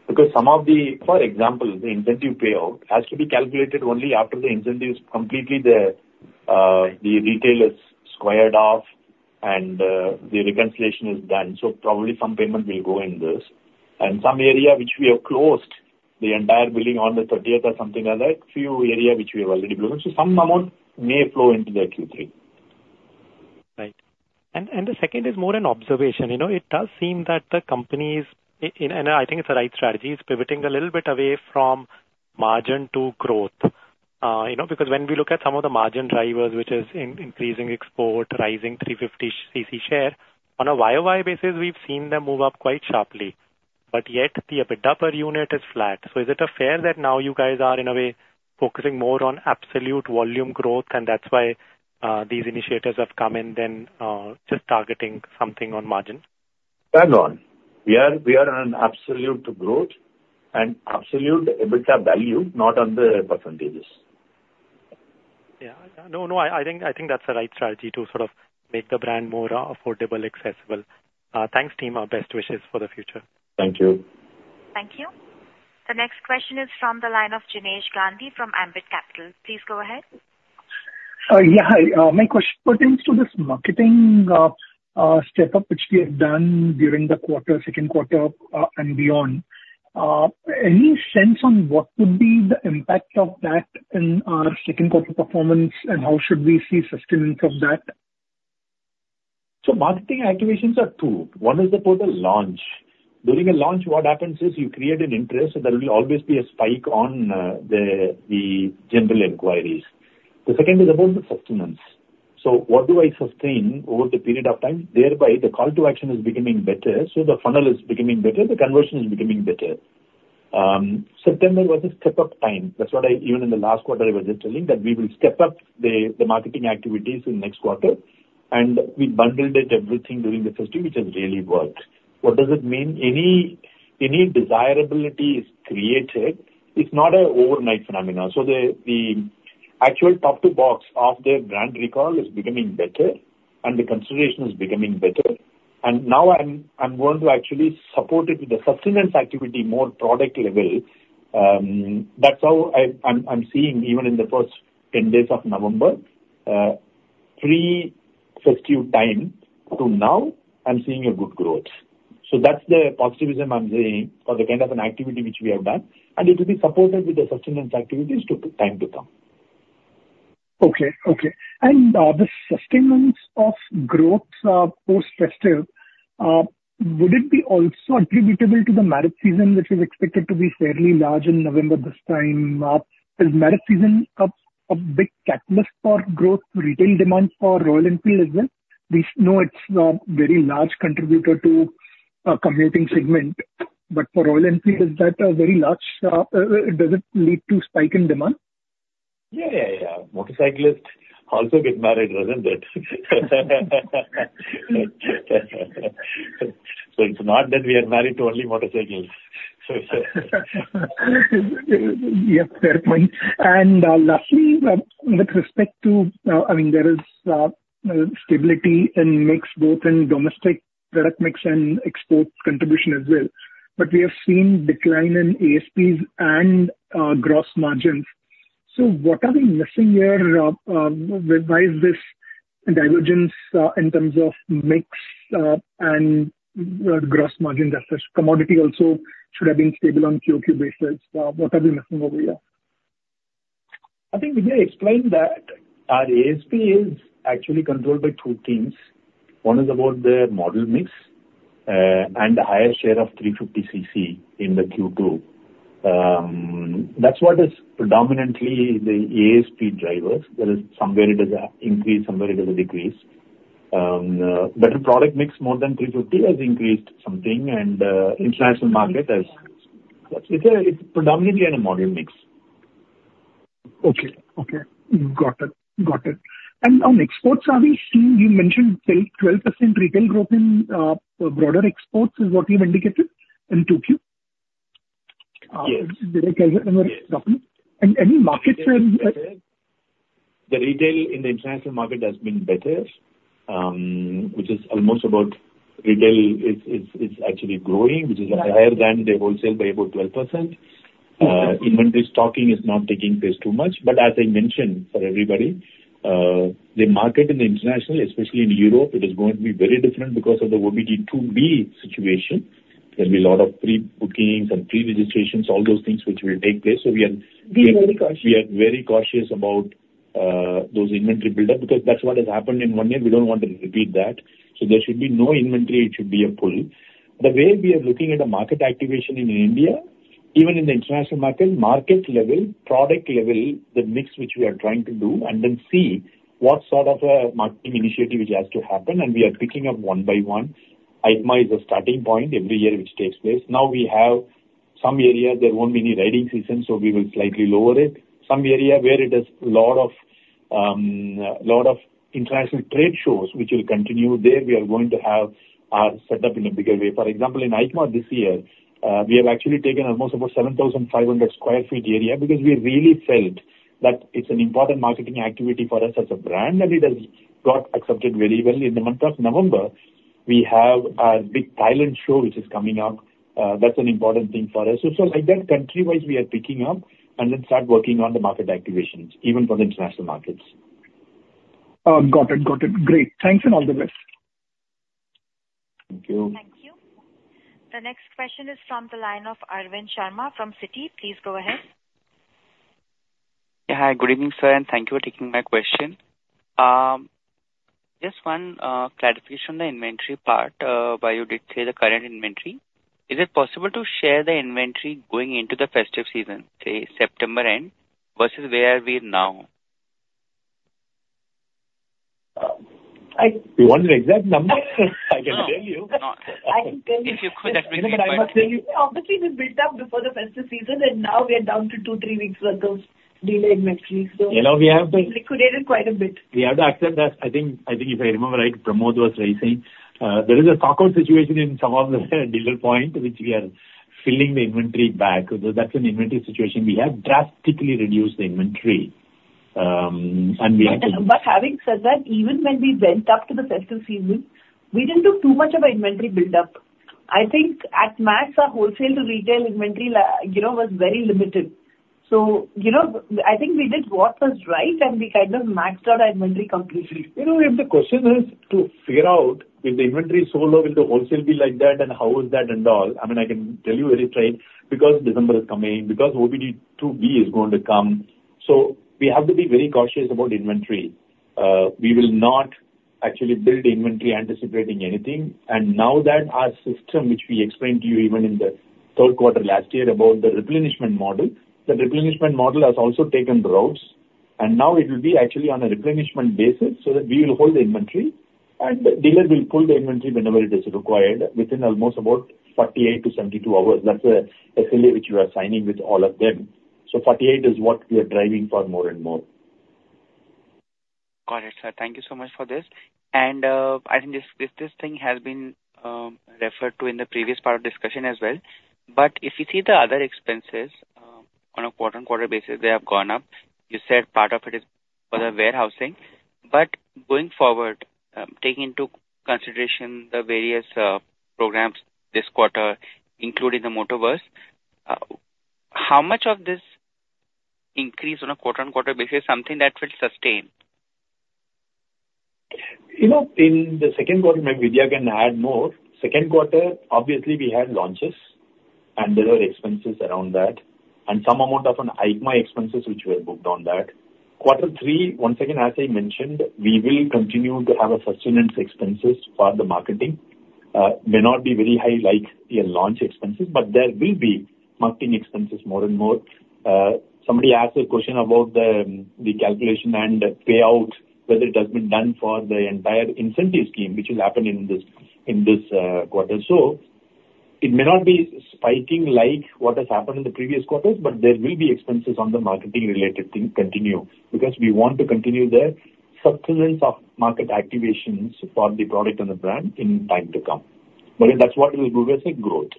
because some of the, for example, the incentive payout has to be calculated only after the incentive is completely there. The retail is squared off, and the reconciliation is done, so probably some payment will go in this, and some area which we have closed the entire building on the 30th or something like that, few area which we have already blown, so some amount may flow into the Q3. Right. And the second is more an observation. It does seem that the companies, and I think it's the right strategy, is pivoting a little bit away from margin to growth because when we look at some of the margin drivers, which is increasing export, rising 350cc share, on a YOY basis, we've seen them move up quite sharply. But yet, the EBITDA per unit is flat. So is it fair that now you guys are, in a way, focusing more on absolute volume growth, and that's why these initiatives have come in, then just targeting something on margin? Well done. We are on absolute growth and absolute EBITDA value, not on the percentages. Yeah. No, no. I think that's the right strategy to sort of make the brand more affordable, accessible. Thanks, team. Best wishes for the future. Thank you. Thank you. The next question is from the line of Jinesh Gandhi from Ambit Capital. Please go ahead. Yeah. My question pertains to this marketing step-up which we have done during the second quarter and beyond. Any sense on what would be the impact of that in our second quarter performance, and how should we see sustenance of that? So marketing activations are two. One is the total launch. During a launch, what happens is you create an interest, and there will always be a spike on the general inquiries. The second is about the sustenance. So what do I sustain over the period of time? Thereby, the call to action is becoming better. So the funnel is becoming better. The conversion is becoming better. September was a step-up time. That's what I, even in the last quarter, I was just telling that we will step up the marketing activities in next quarter. And we bundled everything during the festive which has really worked. What does it mean? Any desirability is created. It's not an overnight phenomenon. So the actual Top Two Box of the brand recall is becoming better, and the consideration is becoming better. And now I'm going to actually support it with the sustenance activity more product level. That's how I'm seeing even in the first 10 days of November, pre-festive time to now, I'm seeing a good growth. So that's the positivity I'm saying for the kind of an activity which we have done, and it will be supported with the sustenance activities to time to come. Okay. Okay. And the sustenance of growth post-festive, would it be also attributable to the marriage season which is expected to be fairly large in November this time? Is marriage season a big catalyst for growth retail demand for Royal Enfield as well? We know it's a very large contributor to a commuting segment. But for Royal Enfield, is that a very large? Does it lead to spike in demand? Yeah, yeah, yeah. Motorcyclists also get married, doesn't it? So it's not that we are married to only motorcycles. Yes, fair point, and lastly, with respect to, I mean, there is stability in mix both in domestic product mix and export contribution as well. But we have seen decline in ASPs and gross margins. So what are we missing here? Why is this divergence in terms of mix and gross margin? Commodity also should have been stable on Q2 basis. What are we missing over here? I think, Vidhya, explain that our ASP is actually controlled by two teams. One is about the model mix and the higher share of 350cc in the Q2. That's what is predominantly the ASP drivers. There is somewhere it is an increase, somewhere it is a decrease. But the product mix more than 350 has increased something, and international market has its predominantly in a model mix. Okay. Got it. And on exports, are we seeing you mentioned 12% retail growth in broader exports is what you've indicated in Q2? Yes. Did I catch that correctly? And any market share? The retail in the international market has been better, which is almost about retail is actually growing, which is higher than the wholesale by about 12%. Inventory stocking is not taking place too much. But as I mentioned for everybody, the market in the international, especially in Europe, it is going to be very different because of the OBD2B situation. There will be a lot of pre-bookings and pre-registrations, all those things which will take place. So we are. Be very cautious. We are very cautious about those inventory build-up because that's what has happened in one year. We don't want to repeat that so there should be no inventory. It should be a pull. The way we are looking at the market activation in India, even in the international market, market level, product level, the mix which we are trying to do, and then see what sort of a marketing initiative which has to happen and we are picking up one by one. EICMA is a starting point every year which takes place. Now we have some areas there won't be any riding season, so we will slightly lower it. Some area where it is a lot of international trade shows which will continue there, we are going to have our setup in a bigger way. For example, in EICMA this year, we have actually taken almost about 7,500 sq ft area because we really felt that it's an important marketing activity for us as a brand, and it has got accepted very well. In the month of November, we have our big Thailand show which is coming up. That's an important thing for us. So like that, country-wise, we are picking up and then start working on the market activations, even for the international markets. Got it. Got it. Great. Thanks and all the best. Thank you. Thank you. The next question is from the line of Arvind Sharma from Citi. Please go ahead. Yeah. Hi. Good evening, sir. And thank you for taking my question. Just one clarification on the inventory part. While you did say the current inventory, is it possible to share the inventory going into the festive season, say, September end versus where we are now? You want an exact number? I can tell you. I can tell you. If you could, that's reasonable. Obviously, we built up before the festive season, and now we are down to two, three weeks worth of dealer inventory. Yeah. We have to. We've liquidated quite a bit. We have to accept that. I think if I remember right, Pramod was raising. There is a stock-out situation in some of the dealer points which we are filling the inventory back. So that's an inventory situation. We have drastically reduced the inventory, and we have to. But having said that, even when we went up to the festive season, we didn't do too much of an inventory build-up. I think at max, our wholesale to retail inventory was very limited. So I think we did what was right, and we kind of maxed out our inventory completely. You know, if the question is to figure out if the inventory is so low, will the wholesale be like that, and how is that and all? I mean, I can tell you very straight because December is coming, because OBD2B is going to come. So we have to be very cautious about inventory. We will not actually build inventory anticipating anything. And now that our system, which we explained to you even in the third quarter last year about the replenishment model, the replenishment model has also taken root. And now it will be actually on a replenishment basis so that we will hold the inventory, and the dealer will pull the inventory whenever it is required within almost about 48-72 hours. That's the SLA which we are signing with all of them. So 48 is what we are driving for more and more. Got it, sir. Thank you so much for this. And I think this thing has been referred to in the previous part of discussion as well. But if you see the other expenses on a quarter-on-quarter basis, they have gone up. You said part of it is for the warehousing. But going forward, taking into consideration the various programs this quarter, including the Motoverse, how much of this increase on a quarter-on-quarter basis is something that will sustain? In the second quarter, maybe Vidhya can add more. Second quarter, obviously, we had launches, and there were expenses around that, and some amount of EICMA expenses which were booked on that. Quarter three, once again, as I mentioned, we will continue to have sustenance expenses for the marketing. It may not be very high like the launch expenses, but there will be marketing expenses more and more. Somebody asked a question about the calculation and payout, whether it has been done for the entire incentive scheme, which will happen in this quarter. So it may not be spiking like what has happened in the previous quarters, but there will be expenses on the marketing-related thing continue because we want to continue the sustenance of market activations for the product and the brand in time to come. But that's what we will do with the growth.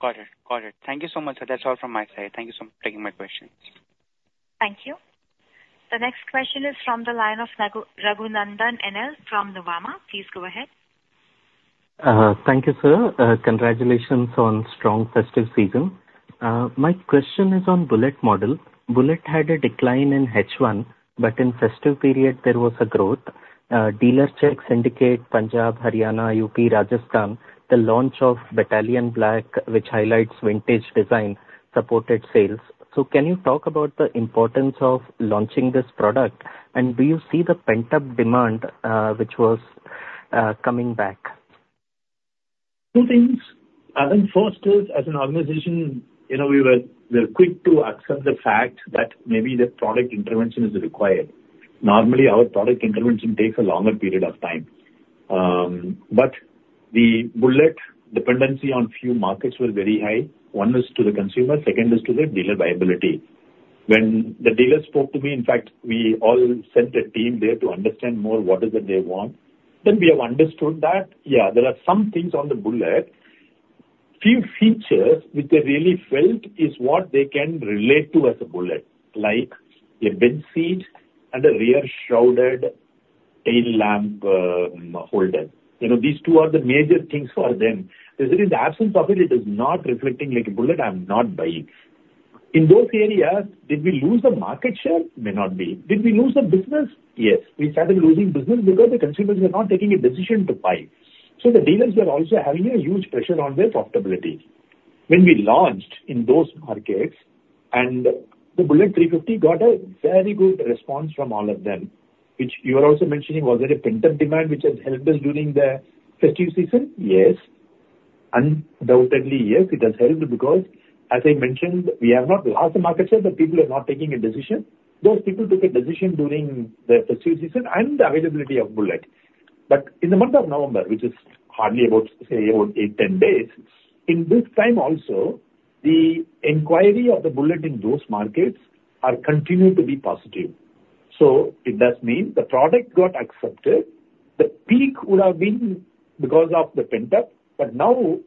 Got it. Got it. Thank you so much, sir. That's all from my side. Thank you so much for taking my questions. Thank you. The next question is from the line of Raghunandan NL from Nuvama. Please go ahead. Thank you, sir. Congratulations on strong festive season. My question is on Bullet model. Bullet had a decline in H1, but in festive period, there was a growth. Dealer checks indicate Punjab, Haryana, UP, Rajasthan, the launch of Battalion Black, which highlights vintage design, supported sales. So can you talk about the importance of launching this product? And do you see the pent-up demand which was coming back? Two things. I think first is, as an organization, we were quick to accept the fact that maybe the product intervention is required. Normally, our product intervention takes a longer period of time. But the Bullet dependency on few markets was very high. One is to the consumer. Second is to the dealer viability. When the dealer spoke to me, in fact, we all sent a team there to understand more what is it they want. Then we have understood that, yeah, there are some things on the Bullet. Few features which they really felt is what they can relate to as a Bullet, like a padded seat and a rear shrouded tail lamp holder. These two are the major things for them. They said in the absence of it, it is not reflecting like a Bullet. I'm not buying. In those areas, did we lose the market share? Maybe not. Did we lose the business? Yes. We started losing business because the consumers were not taking a decision to buy. So the dealers were also having a huge pressure on their profitability. When we launched in those markets, and the Bullet 350 got a very good response from all of them, which you are also mentioning, was there a pent-up demand which has helped us during the festive season? Yes. Undoubtedly, yes, it has helped because, as I mentioned, we have not lost the market share, but people are not taking a decision. Those people took a decision during the festive season and availability of Bullet. But in the month of November, which is hardly about, say, about eight, 10 days, in this time also, the inquiry of the Bullet in those markets continued to be positive. So it does mean the product got accepted. The peak would have been because of the pent-up. But now,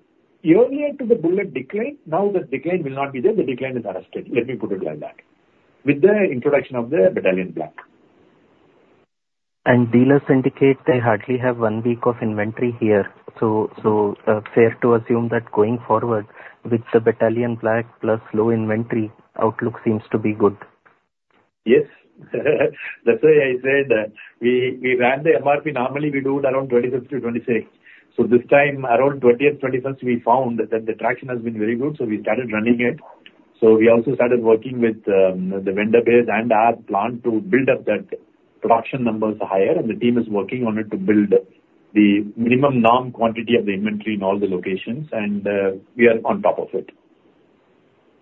earlier to the Bullet decline, now the decline will not be there. The decline is arrested. Let me put it like that, with the introduction of the Battalion Black. And dealers indicate they hardly have one week of inventory here. So fair to assume that going forward with the Battalion Black plus low inventory, outlook seems to be good. Yes. That's why I said that we ran the MRP. Normally, we do it around 25th to 26th. So this time, around 20th, 21st, we found that the traction has been very good. So we started running it. So we also started working with the vendor base and our plant to build up that production numbers higher. And the team is working on it to build the minimum norm quantity of the inventory in all the locations. And we are on top of it.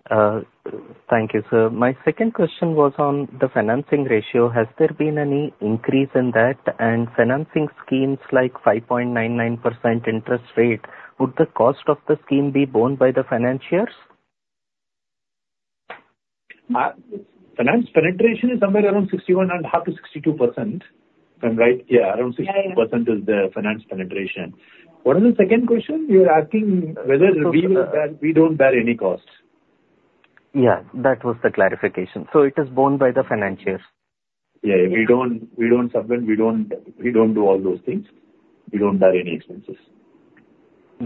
Thank you, sir. My second question was on the financing ratio. Has there been any increase in that? And financing schemes like 5.99% interest rate, would the cost of the scheme be borne by the financiers? Finance penetration is somewhere around 61.5%-62%. If I'm right, yeah, around 62% is the finance penetration. What is the second question? You're asking whether we don't bear any cost. Yeah. That was the clarification. So it is borne by the financiers? Yeah. We don't submit. We don't do all those things. We don't bear any expenses.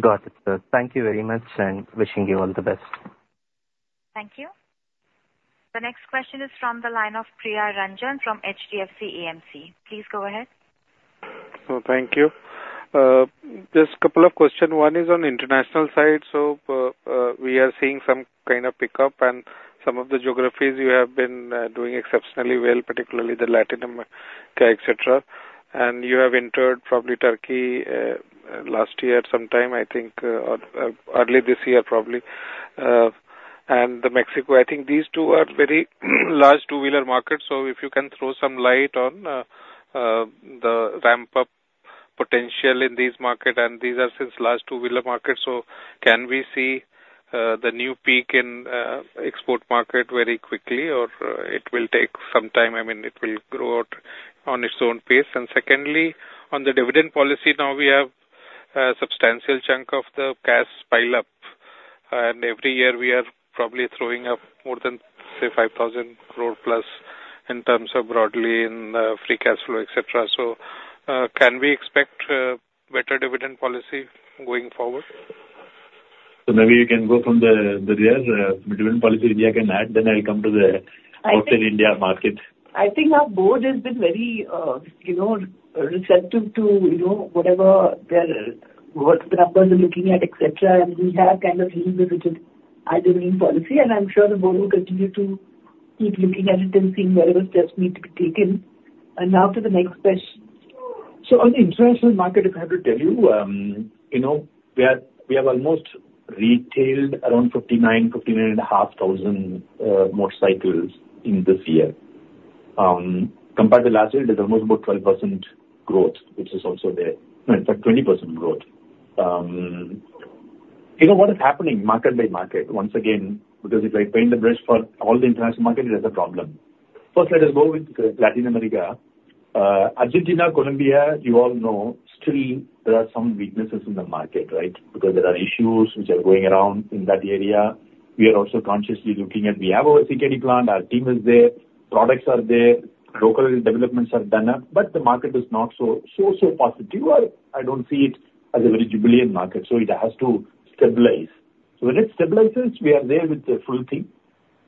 Got it, sir. Thank you very much, and wishing you all the best. Thank you. The next question is from the line of Priya Ranjan from HDFC AMC. Please go ahead. Thank you. Just a couple of questions. One is on the international side. We are seeing some kind of pickup. Some of the geographies you have been doing exceptionally well, particularly Latin America, etc. You have entered probably Turkey last year sometime, I think, or early this year probably. Mexico, I think these two are very large two-wheeler markets. If you can throw some light on the ramp-up potential in these markets, and these are since large two-wheeler markets, so can we see the new peak in export market very quickly, or it will take some time? I mean, it will grow out on its own pace. Secondly, on the dividend policy, now we have a substantial chunk of the cash pile-up. And every year, we are probably throwing up more than, say, 5,000 crore plus in terms of broadly in free cash flow, etc. So can we expect better dividend policy going forward? So maybe you can go from the dividend policy. Vidhya can add. Then I'll come to the wholesale India market. I think our board has been very receptive to whatever the numbers are looking like, etc. And we have kind of seen the dividend policy. And I'm sure the board will continue to keep looking at it and seeing whatever steps need to be taken. And now to the next question. So on the international market, if I have to tell you, we have almost retailed around 59, 59 and a half thousand motorcycles in this year. Compared to last year, there's almost about 12% growth, which is also there. In fact, 20% growth. You know what is happening market by market? Once again, because if I paint the brush for all the international market, it has a problem. First, let us go with Latin America. Argentina, Colombia, you all know, still there are some weaknesses in the market, right? Because there are issues which are going around in that area. We are also consciously looking at we have our CKD plant. Our team is there. Products are there. Local developments are done up. But the market is not so, so, so positive. I don't see it as a very jubilant market. So it has to stabilize. So when it stabilizes, we are there with the full team.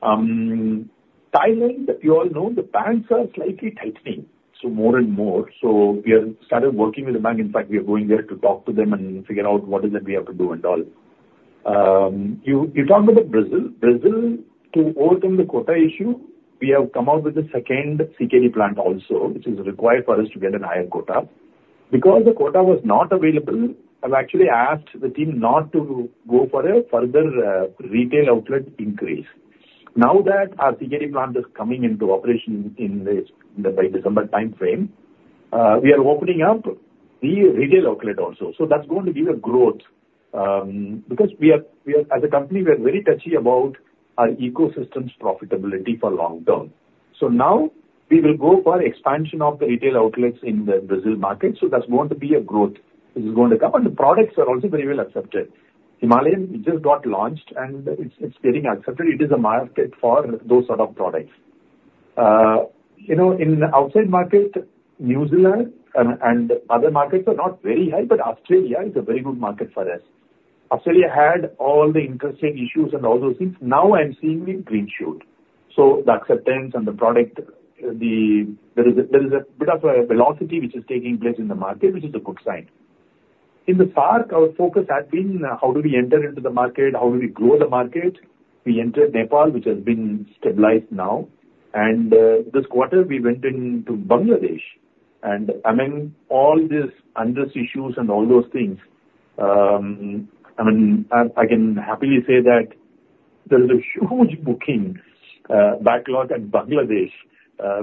Thailand, you all know, the pants are slightly tightening, so more and more. So we have started working with the bank. In fact, we are going there to talk to them and figure out what is it we have to do and all. You talked about Brazil. Brazil, to overcome the quota issue, we have come out with the second CKD plant also, which is required for us to get a higher quota. Because the quota was not available, I've actually asked the team not to go for a further retail outlet increase. Now that our CKD plant is coming into operation by December timeframe, we are opening up the retail outlet also. So that's going to give a growth. Because as a company, we are very touchy about our ecosystem's profitability for long term. So now we will go for expansion of the retail outlets in the Brazil market. So that's going to be a growth. This is going to come. And the products are also very well accepted. Himalayan just got launched, and it's getting accepted. It is a market for those sort of products. In the outside market, New Zealand and other markets are not very high, but Australia is a very good market for us. Australia had all the interesting issues and all those things. Now I'm seeing a green shoot. So the acceptance and the product, there is a bit of a velocity which is taking place in the market, which is a good sign. In the SAARC, our focus had been how do we enter into the market? How do we grow the market? We entered Nepal, which has been stabilized now. And this quarter, we went into Bangladesh. Among all these address issues and all those things, I mean, I can happily say that there is a huge booking backlog at Bangladesh,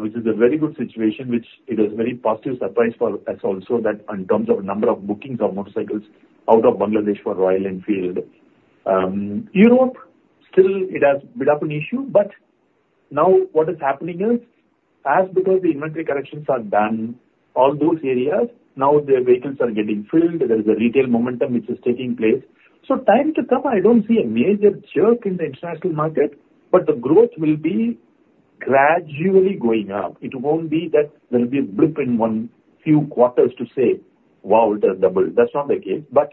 which is a very good situation, which is a very positive surprise for us also that in terms of number of bookings of motorcycles out of Bangladesh for Royal Enfield. Europe still has a bit of an issue. But now what is happening is, as because the inventory corrections are done, all those areas, now the vehicles are getting filled. There is a retail momentum which is taking place. So time to come, I don't see a major jerk in the international market, but the growth will be gradually going up. It won't be that there will be a blip in one few quarters to say, "Wow, it has doubled." That's not the case. But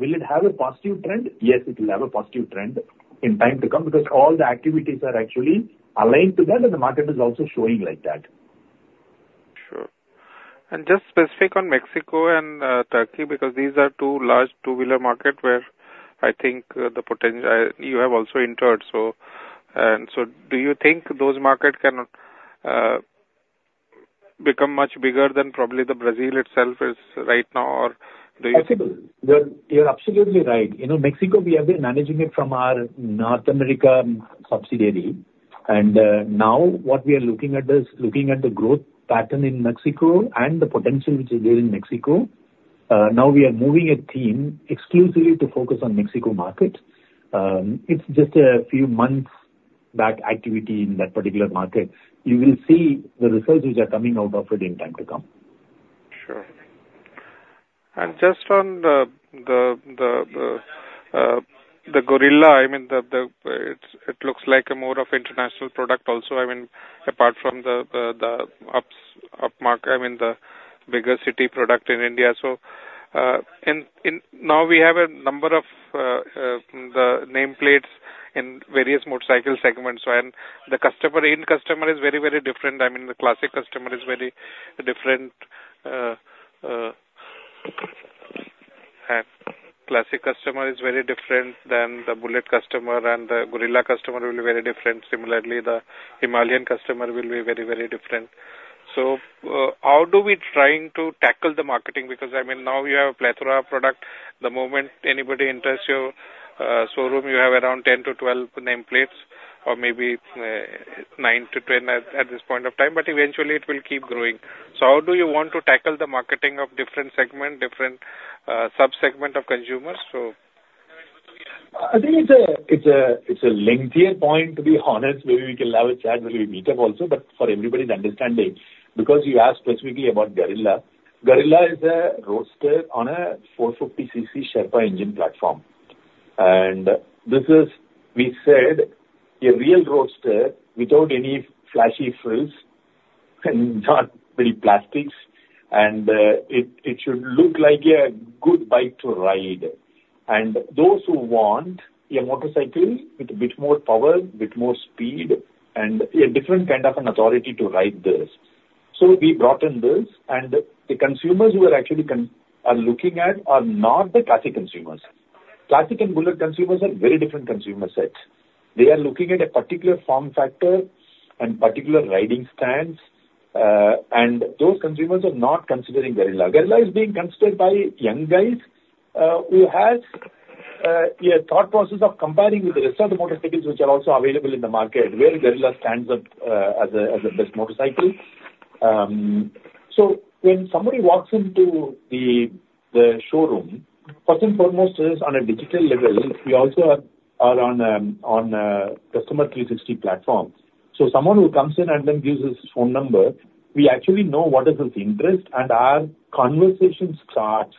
will it have a positive trend? Yes, it will have a positive trend in time to come because all the activities are actually aligned to that, and the market is also showing like that. Sure. And just specific on Mexico and Turkey, because these are two large two-wheeler markets where I think you have also entered. So do you think those markets can become much bigger than probably the Brazil itself is right now, or do you? You're absolutely right. Mexico, we have been managing it from our North America subsidiary. And now what we are looking at is looking at the growth pattern in Mexico and the potential which is there in Mexico. Now we are moving a team exclusively to focus on Mexico market. It's just a few months' back activity in that particular market. You will see the results which are coming out of it in time to come. Sure. And just on the Guerrilla, I mean, it looks like more of an international product also. I mean, apart from the upmarket, I mean, the bigger city product in India. So now we have a number of the nameplates in various motorcycle segments. And the customer is very, very different. I mean, the Classic customer is very different. Classic customer is very different than the Bullet customer, and the Guerrilla customer will be very different. Similarly, the Himalayan customer will be very, very different. So how do we try to tackle the marketing? Because, I mean, now you have a plethora of product. The moment anybody enters your showroom, you have around 10 to 12 nameplates or maybe 9 to 10 at this point of time. But eventually, it will keep growing. So how do you want to tackle the marketing of different segment, different subsegment of consumers? I think it's a lengthier point, to be honest. Maybe we can have a chat when we meet up also. But for everybody's understanding, because you asked specifically about Guerrilla, Guerrilla is a roadster on a 450cc Sherpa engine platform. And this is, we said, a real roadster without any flashy frills and not many plastics. And it should look like a good bike to ride. And those who want a motorcycle with a bit more power, a bit more speed, and a different kind of an authority to ride this. So we brought in this. And the consumers who are actually looking at are not the classic consumers. Classic and Bullet consumers are very different consumer sets. They are looking at a particular form factor and particular riding stance. And those consumers are not considering Guerrilla. Guerrilla is being considered by young guys who have a thought process of comparing with the rest of the motorcycles which are also available in the market, where Guerrilla stands up as the best motorcycle. So when somebody walks into the showroom, first and foremost, it is on a digital level. We also are on a Customer 360 platform. So someone who comes in and then gives his phone number, we actually know what is his interest. And our conversation starts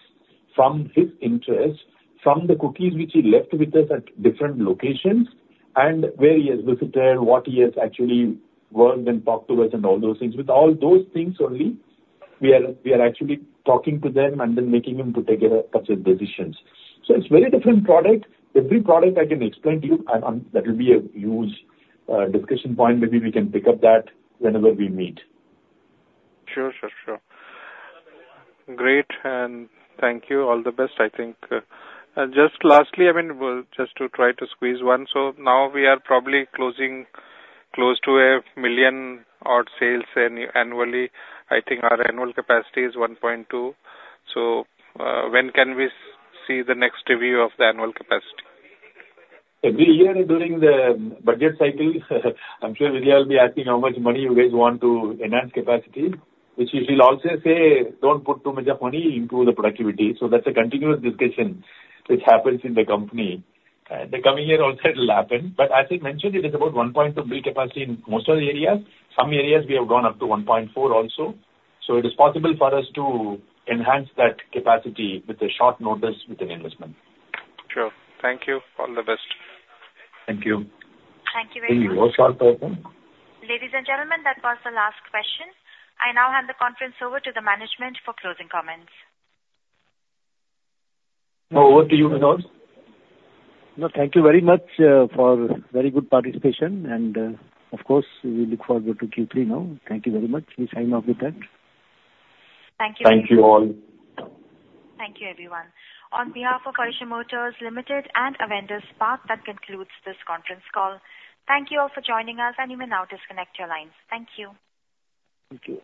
from his interest, from the cookies which he left with us at different locations, and where he has visited, what he has actually worked and talked to us, and all those things. With all those things only, we are actually talking to them and then making them to take a decision. So it's a very different product. Every product I can explain to you. That will be a huge discussion point. Maybe we can pick up that whenever we meet. Sure, sure, sure. Great. And thank you. All the best, I think. And just lastly, I mean, just to try to squeeze one. So now we are probably close to a million odd sales annually. I think our annual capacity is 1.2. So when can we see the next review of the annual capacity? Every year during the budget cycle, I'm sure Vidhya will be asking how much money you guys want to enhance capacity, which she will also say, "Don't put too much of money into the productivity." So that's a continuous discussion which happens in the company. The coming year also, it will happen. But as I mentioned, it is about 1.2 million capacity in most of the areas. Some areas, we have gone up to 1.4 also. So it is possible for us to enhance that capacity with a short notice with an investment. Sure. Thank you. All the best. Thank you. Thank you very much. {inaudible] Ladies and gentlemen, that was the last question. I now hand the conference over to the management for closing comments. Over to you, Vinod. No, thank you very much for very good participation. And of course, we look forward to Q3 now. Thank you very much. We sign off with that. Thank you. Thank you all. Thank you, everyone. On behalf of Eicher Motors Limited and Avendus Spark, that concludes this conference call. Thank you all for joining us, and you may now disconnect your lines. Thank you. Thank you.